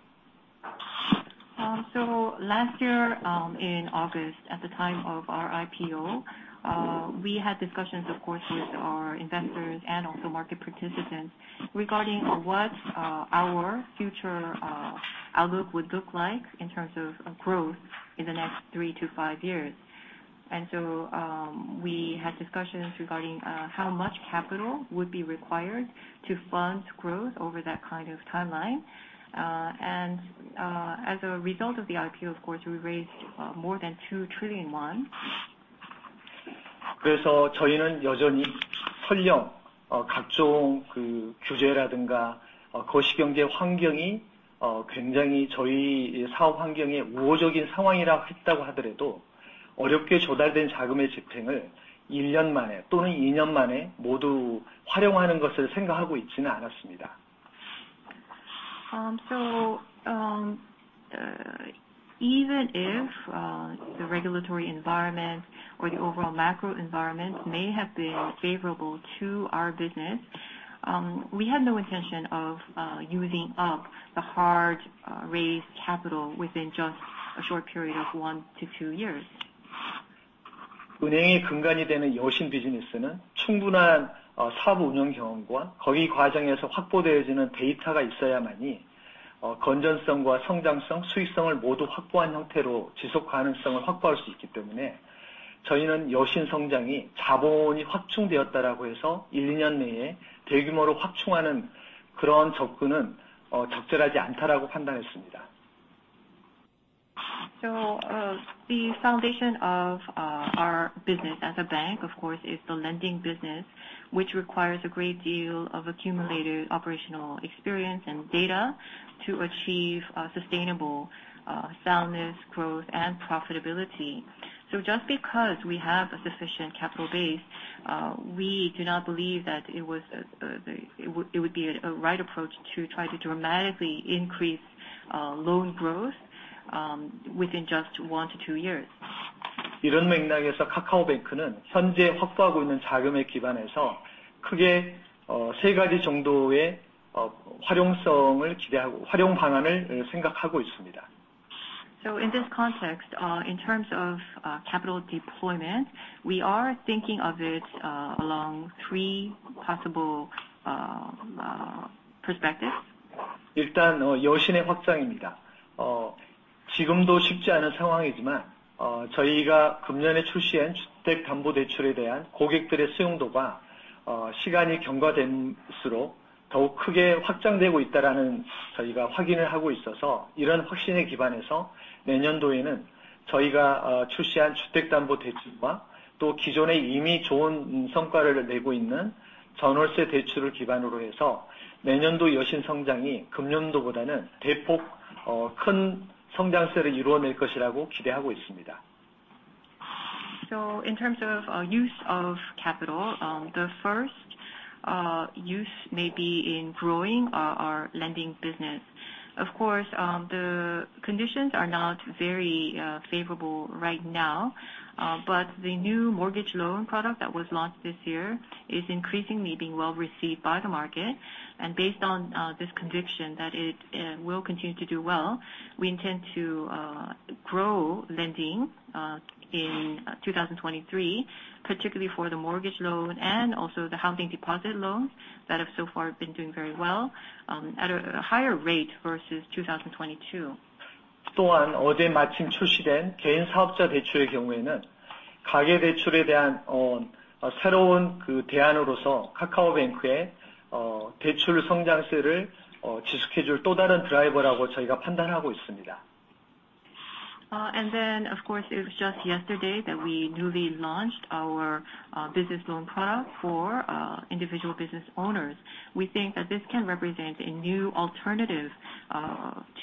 [SPEAKER 5] Last year, in August, at the time of our IPO, we had discussions, of course, with our investors and also market participants regarding what our future outlook would look like in terms of growth in the next three to five years. We had discussions regarding how much capital would be required to fund growth over that kind of timeline. As a result of the IPO, of course, we raised more than 2 trillion won.
[SPEAKER 3] 저희는 여전히 설령 각종 규제라든가 거시경제 환경이 굉장히 저희 사업 환경에 우호적인 상황이라고 하더라도 어렵게 조달된 자금의 집행을 일년 만에 또는 이년 만에 모두 활용하는 것을 생각하고 있지는 않았습니다.
[SPEAKER 5] Even if the regulatory environment or the overall macro environment may have been favorable to our business, we had no intention of using up the hard raised capital within just a short period of 1-2 years.
[SPEAKER 3] 은행의 근간이 되는 여신 비즈니스는 충분한 사업 운영 경험과 그 과정에서 확보되어지는 데이터가 있어야만이 건전성과 성장성, 수익성을 모두 확보한 형태로 지속 가능성을 확보할 수 있기 때문에 저희는 여신 성장이 자본이 확충되었다라고 해서 일, 이년 내에 대규모로 확충하는 그런 접근은 적절하지 않다라고 판단했습니다.
[SPEAKER 5] The foundation of our business as a bank, of course, is the lending business, which requires a great deal of accumulated operational experience and data to achieve sustainable soundness, growth, and profitability. Just because we have a sufficient capital base, we do not believe that it would be a right approach to try to dramatically increase loan growth within just one to two years.
[SPEAKER 3] 이런 맥락에서 카카오뱅크는 현재 확보하고 있는 자금에 기반해서 크게 세 가지 정도의 활용성을 기대하고, 활용 방안을 생각하고 있습니다.
[SPEAKER 5] In this context, in terms of capital deployment, we are thinking of it along three possible perspectives.
[SPEAKER 3] 일단 여신의 확장입니다. 지금도 쉽지 않은 상황이지만, 저희가 금년에 출시한 주택담보대출에 대한 고객들의 수용도가 시간이 경과될수록 더욱 크게 확장되고 있다라는 것을 저희가 확인하고 있어서, 이런 확신에 기반해서 내년도에는 저희가 출시한 주택담보대출과 또 기존에 이미 좋은 성과를 내고 있는 전월세 대출을 기반으로 해서 내년도 여신 성장이 금년도보다는 대폭 큰 성장세를 이루어낼 것이라고 기대하고 있습니다.
[SPEAKER 5] In terms of use of capital, the first use may be in growing our lending business. Of course, the conditions are not very favorable right now, but the new mortgage loan product that was launched this year is increasingly being well received by the market. Based on this conviction that it will continue to do well, we intend to grow lending in 2023, particularly for the mortgage loan and also the housing deposit loans that have so far been doing very well, at a higher rate versus 2022.
[SPEAKER 3] 또한 어제 마침 출시된 개인사업자 대출의 경우에는 가계대출에 대한 새로운 대안으로서 카카오뱅크의 대출 성장세를 지속해 줄또 다른 드라이버라고 저희가 판단하고 있습니다.
[SPEAKER 5] Of course, it was just yesterday that we newly launched our business loan product for individual business owners. We think that this can represent a new alternative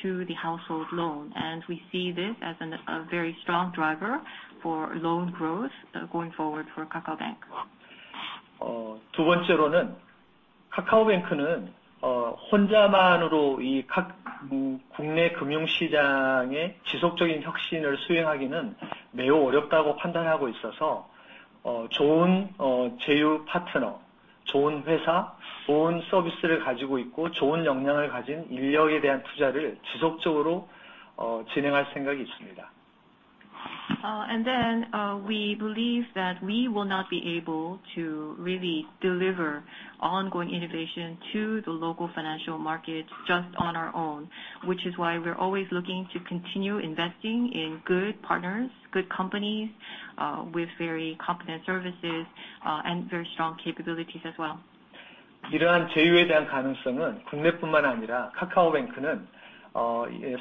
[SPEAKER 5] to the household loan, and we see this as a very strong driver for loan growth going forward for KakaoBank.
[SPEAKER 3] 두 번째로는 카카오뱅크는 혼자만으로 이 각, 국내 금융시장의 지속적인 혁신을 수행하기는 매우 어렵다고 판단하고 있어서 좋은 제휴 파트너, 좋은 회사, 좋은 서비스를 가지고 있고 좋은 역량을 가진 인력에 대한 투자를 지속적으로 진행할 생각이 있습니다.
[SPEAKER 5] We believe that we will not be able to really deliver ongoing innovation to the local financial markets just on our own, which is why we're always looking to continue investing in good partners, good companies, with very competent services, and very strong capabilities as well.
[SPEAKER 3] 이러한 제휴에 대한 가능성은 국내뿐만 아니라 카카오뱅크는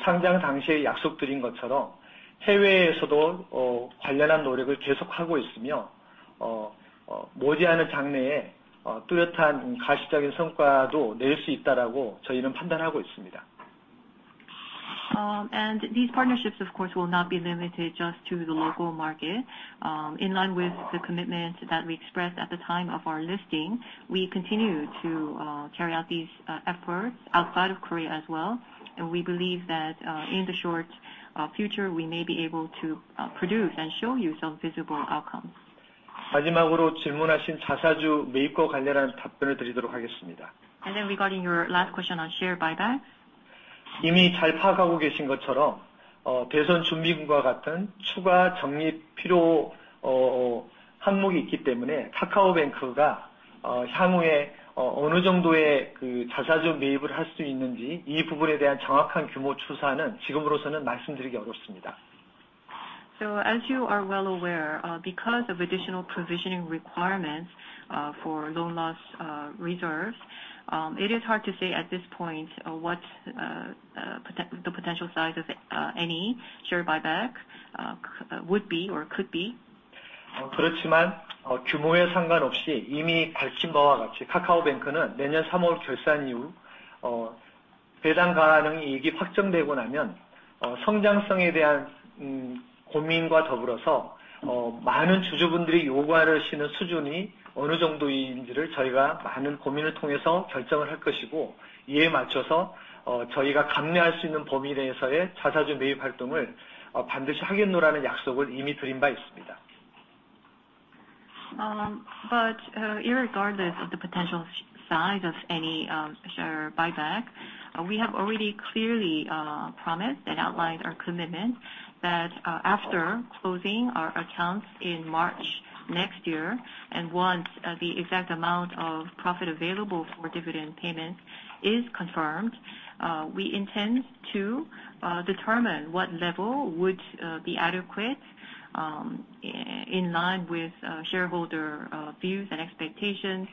[SPEAKER 3] 상장 당시에 약속드린 것처럼 해외에서도 관련한 노력을 계속하고 있으며, 머지않은 장래에 뚜렷한 가시적인 성과도 낼수 있다라고 저희는 판단하고 있습니다.
[SPEAKER 5] These partnerships, of course, will not be limited just to the local market. In line with the commitment that we expressed at the time of our listing, we continue to carry out these efforts outside of Korea as well. We believe that in the short future, we may be able to produce and show you some visible outcomes. Then regarding your last question on share buyback. As you are well aware, because of additional provisioning requirements for loan loss reserves, it is hard to say at this point what the potential size of any share buyback would be or could be.
[SPEAKER 3] Regardless of the potential size of any share buyback, we have already clearly promised and outlined our commitment that, after closing our accounts in March next year, and once the exact amount of profit available for dividend payment is confirmed, we intend to determine what level would be adequate, in line with shareholder views and expectations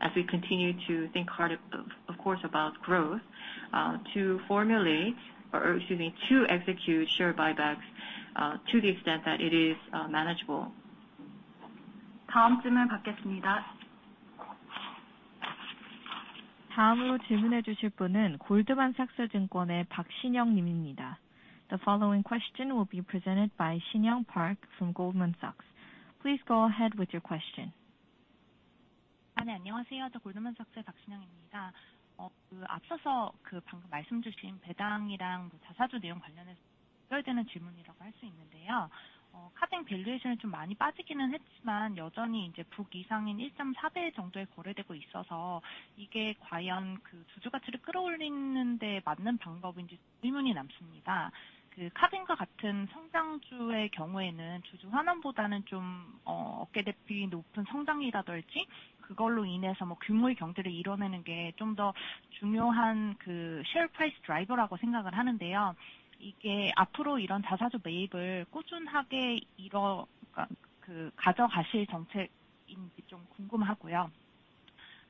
[SPEAKER 3] as we continue to think hard, of course, about growth, to execute share buybacks, to the extent that it is manageable.
[SPEAKER 1] The following question will be presented by Sinyoung Park from Goldman Sachs. Please go ahead with your question.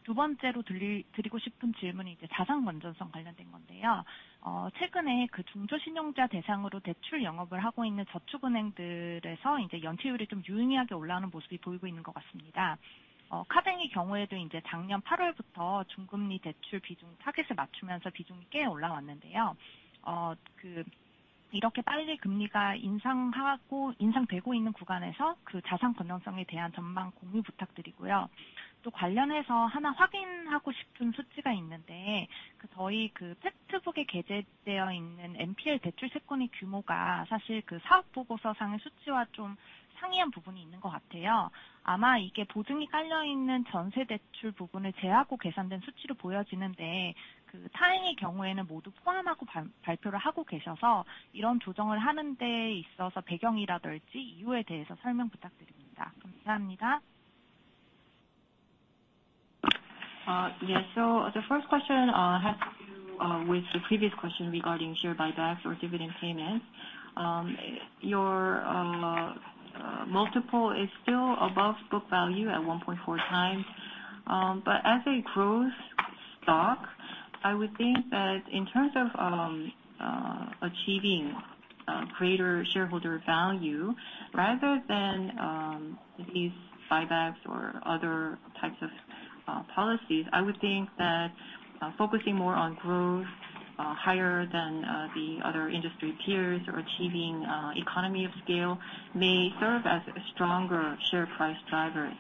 [SPEAKER 8] Yeah. The first question has to do with the previous question regarding share buybacks or dividend payments. Your multiple is still above book value at 1.4x. But as a growth stock, I would think that in terms of achieving greater shareholder value rather than these buybacks or other types of policies, I would think that focusing more on growth higher than the other industry peers or achieving economies of scale may serve as a stronger share price driver.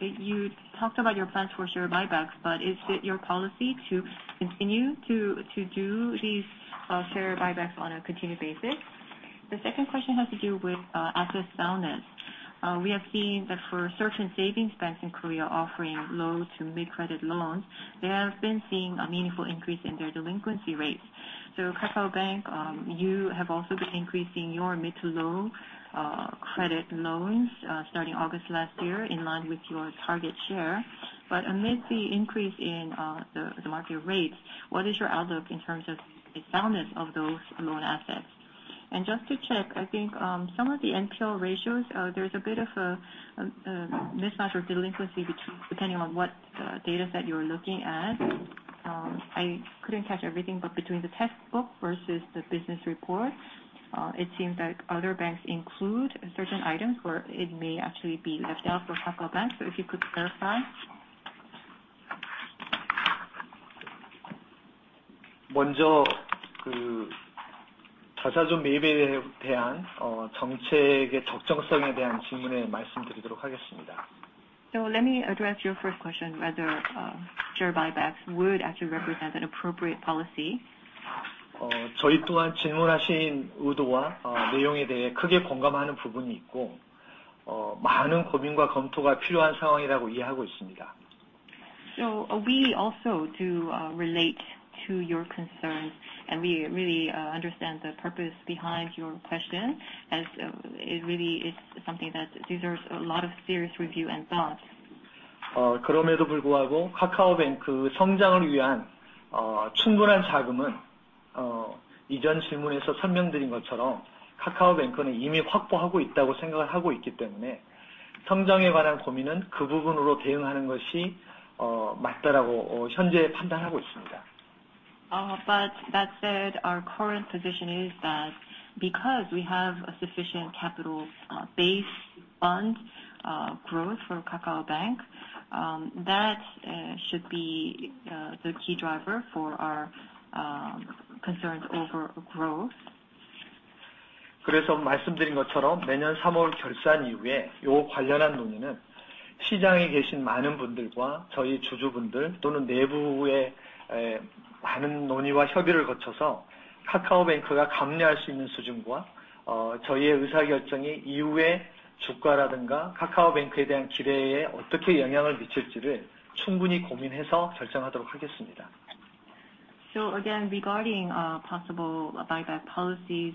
[SPEAKER 8] You talked about your plans for share buybacks, but is it your policy to continue to do these share buybacks on a continued basis? The second question has to do with asset soundness. We have seen that for certain savings banks in Korea offering low to mid credit loans, they have been seeing a meaningful increase in their delinquency rates. KakaoBank, you have also been increasing your mid to low credit loans starting August last year, in line with your target share. Amid the increase in the market rates, what is your outlook in terms of the soundness of those loan assets? Just to check, I think some of the NPL ratios, there's a bit of a mismatch or delinquency depending on what dataset you're looking at. I couldn't catch everything, but between the textbook versus the business report, it seems like other banks include certain items where it may actually be left out for KakaoBank. If you could clarify.
[SPEAKER 3] 먼저 자사주 매입에 대한 정책의 적정성에 대한 질문에 말씀드리도록 하겠습니다.
[SPEAKER 5] Let me address your first question whether share buybacks would actually represent an appropriate policy.
[SPEAKER 3] 저희 또한 질문하신 의도와 내용에 대해 크게 공감하는 부분이 있고, 많은 고민과 검토가 필요한 상황이라고 이해하고 있습니다.
[SPEAKER 5] We also do relate to your concerns, and we really understand the purpose behind your question as it really is something that deserves a lot of serious review and thought.
[SPEAKER 3] 그럼에도 불구하고 카카오뱅크 성장을 위한 충분한 자금은, 이전 질문에서 설명드린 것처럼 카카오뱅크는 이미 확보하고 있다고 생각을 하고 있기 때문에, 성장에 관한 고민은 그 부분으로 대응하는 것이 맞다라고 현재 판단하고 있습니다.
[SPEAKER 5] That said, our current position is that because we have a sufficient capital base, fund growth for KakaoBank, that should be the key driver for our concerns over growth.
[SPEAKER 3] 말씀드린 것처럼 매년 삼월 결산 이후에 이 관련한 논의는 시장에 계신 많은 분들과 저희 주주분들 또는 내부의 많은 논의와 협의를 거쳐서 카카오뱅크가 감내할 수 있는 수준과 저희의 의사결정이 이후에 주가라든가 카카오뱅크에 대한 기대에 어떻게 영향을 미칠지를 충분히 고민해서 결정하도록 하겠습니다.
[SPEAKER 5] Regarding possible buyback policies,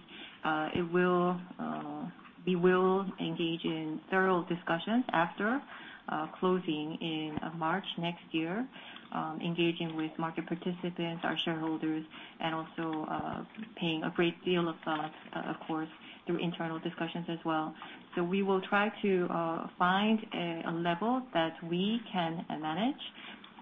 [SPEAKER 5] we will engage in thorough discussions after closing in March next year, engaging with market participants, our shareholders, and also paying a great deal of thought, of course, through internal discussions as well. We will try to find a level that we can manage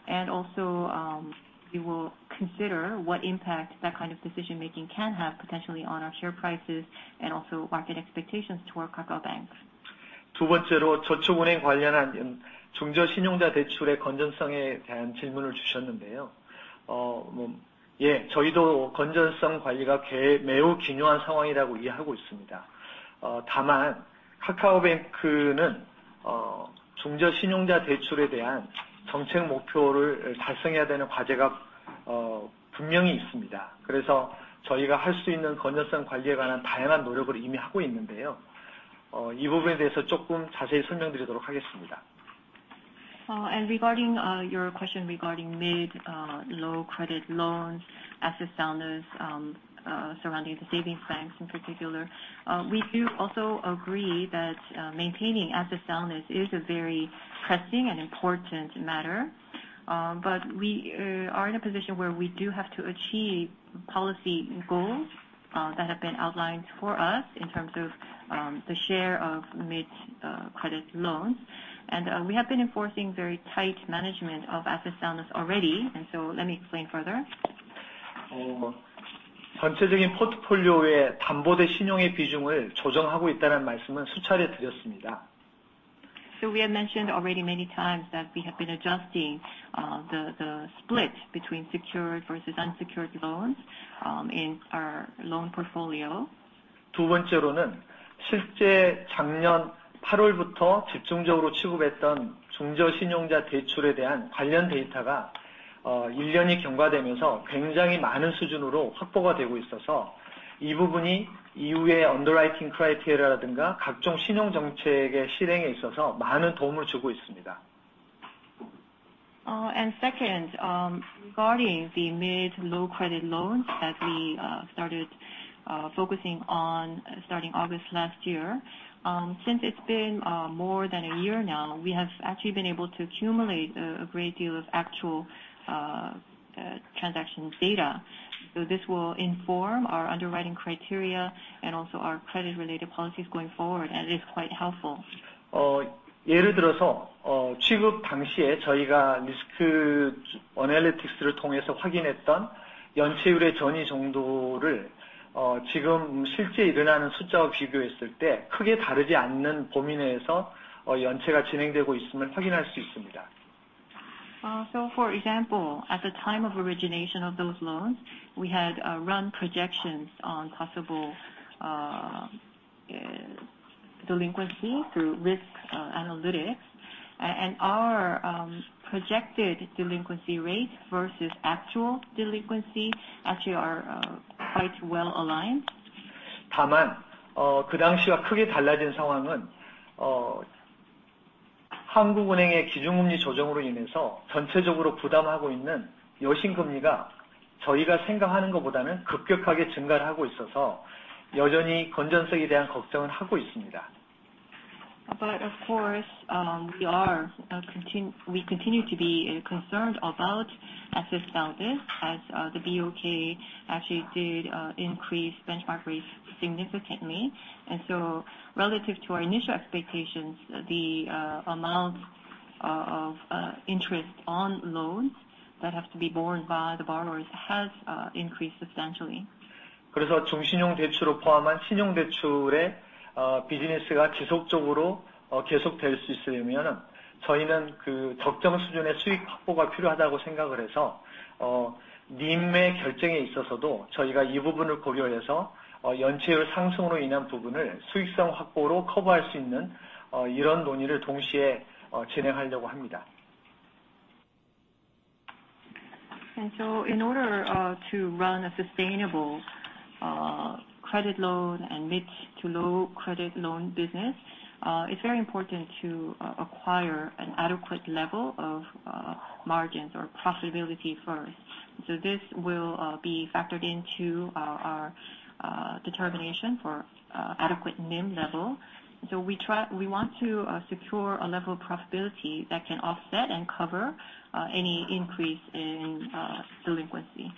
[SPEAKER 5] and also we will consider what impact that kind of decision-making can have potentially on our share prices and also market expectations toward KakaoBank.
[SPEAKER 3] 두 번째로 저축은행 관련한 중저신용자 대출의 건전성에 대한 질문을 주셨는데요. 저희도 건전성 관리가 매우 긴요한 상황이라고 이해하고 있습니다. 다만 카카오뱅크는 중저신용자 대출에 대한 정책 목표를 달성해야 되는 과제가 분명히 있습니다. 그래서 저희가 할수 있는 건전성 관리에 관한 다양한 노력을 이미 하고 있는데요. 이 부분에 대해서 조금 자세히 설명드리도록 하겠습니다.
[SPEAKER 5] Regarding your question regarding mid-low credit loans, asset soundness surrounding the savings banks in particular, we do also agree that maintaining asset soundness is a very pressing and important matter. We are in a position where we do have to achieve policy goals that have been outlined for us in terms of the share of mid-credit loans. We have been enforcing very tight management of asset soundness already. Let me explain further.
[SPEAKER 3] 전체적인 포트폴리오의 담보대 신용의 비중을 조정하고 있다는 말씀은 수차례 드렸습니다.
[SPEAKER 5] We have mentioned already many times that we have been adjusting the split between secured versus unsecured loans in our loan portfolio.
[SPEAKER 3] 두 번째로는 실제 작년 8월부터 집중적으로 취급했던 중저신용자 대출에 대한 관련 데이터가 1년이 경과되면서 굉장히 많은 수준으로 확보가 되고 있어서, 이 부분이 이후의 underwriting criteria라든가 각종 신용정책의 실행에 있어서 많은 도움을 주고 있습니다.
[SPEAKER 5] Second, regarding the mid- to low credit loans that we started focusing on starting August last year, since it's been more than a year now, we have actually been able to accumulate a great deal of actual transaction data. This will inform our underwriting criteria and also our credit-related policies going forward, and it is quite helpful.
[SPEAKER 3] 예를 들어서 취급 당시에 저희가 risk analytics를 통해서 확인했던 연체율의 전이 정도를 지금 실제 일어나는 숫자와 비교했을 때 크게 다르지 않는 범위 내에서 연체가 진행되고 있음을 확인할 수 있습니다.
[SPEAKER 5] For example, at the time of origination of those loans, we had run projections on possible delinquency through risk analytics. Our projected delinquency rate versus actual delinquency actually are quite well aligned.
[SPEAKER 3] 다만 그 당시와 크게 달라진 상황은 한국은행의 기준금리 조정으로 인해서 전체적으로 부담하고 있는 여신금리가 저희가 생각하는 것보다는 급격하게 증가를 하고 있어서 여전히 건전성에 대한 걱정을 하고 있습니다.
[SPEAKER 5] Of course, we continue to be concerned about asset soundness as the BOK actually did increase benchmark rates significantly. Relative to our initial expectations, the amount of interest on loans that have to be borne by the borrowers has increased substantially.
[SPEAKER 3] 중신용 대출을 포함한 신용대출의 비즈니스가 지속적으로 계속될 수 있으려면 저희는 그 적정 수준의 수익 확보가 필요하다고 생각을 해서, NIM의 결정에 있어서도 저희가 이 부분을 고려해서 연체율 상승으로 인한 부분을 수익성 확보로 커버할 수 있는 이런 논의를 동시에 진행하려고 합니다.
[SPEAKER 5] In order to run a sustainable credit loan and mid to low credit loan business, it's very important to acquire an adequate level of margins or profitability first. This will be factored into our determination for adequate NIM level. We want to secure a level of profitability that can offset and cover any increase in delinquency.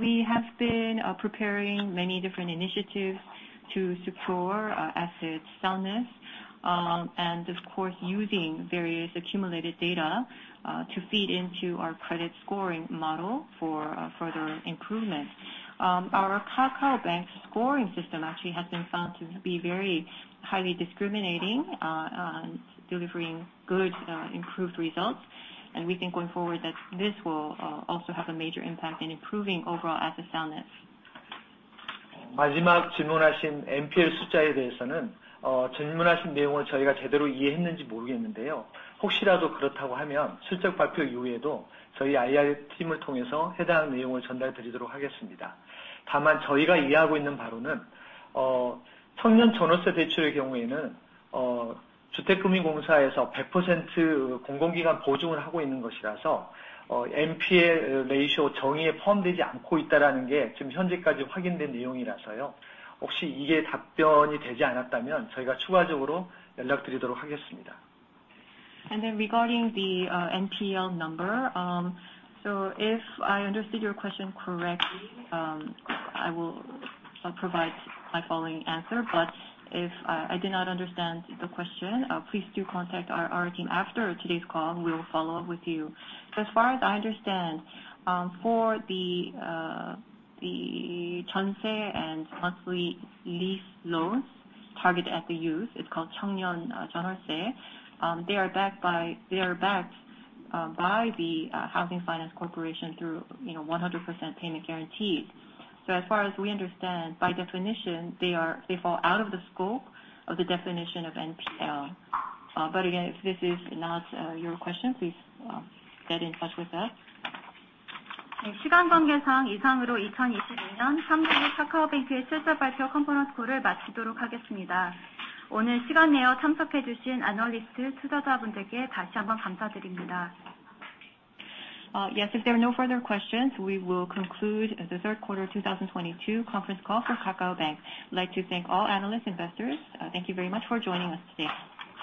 [SPEAKER 3] We have been preparing many different initiatives to secure asset soundness, and of course, using various accumulated data to feed into our credit scoring model for further improvement. Our KakaoBank scoring system actually has been found to be very highly discriminating, delivering good improved results. We think going forward that this will also have a major impact in improving overall asset soundness. Regarding the NPL number, if I understood your question correctly, I will provide my following answer, but if I did not understand the question, please do contact our team after today's call and we will follow up with you. As far as I understand, for the Jeonse and monthly lease loans targeted at the youth, it's called Chungnyeon Jeonse, they are backed by the Korea Housing Finance Corporation through, you know, 100% payment guaranteed. As far as we understand, by definition, they fall out of the scope of the definition of NPL. But again, if this is not your question, please get in touch with us.
[SPEAKER 2] Yes, if there are no further questions, we will conclude the third quarter 2022 conference call for KakaoBank. I'd like to thank all analysts, investors. Thank you very much for joining us today.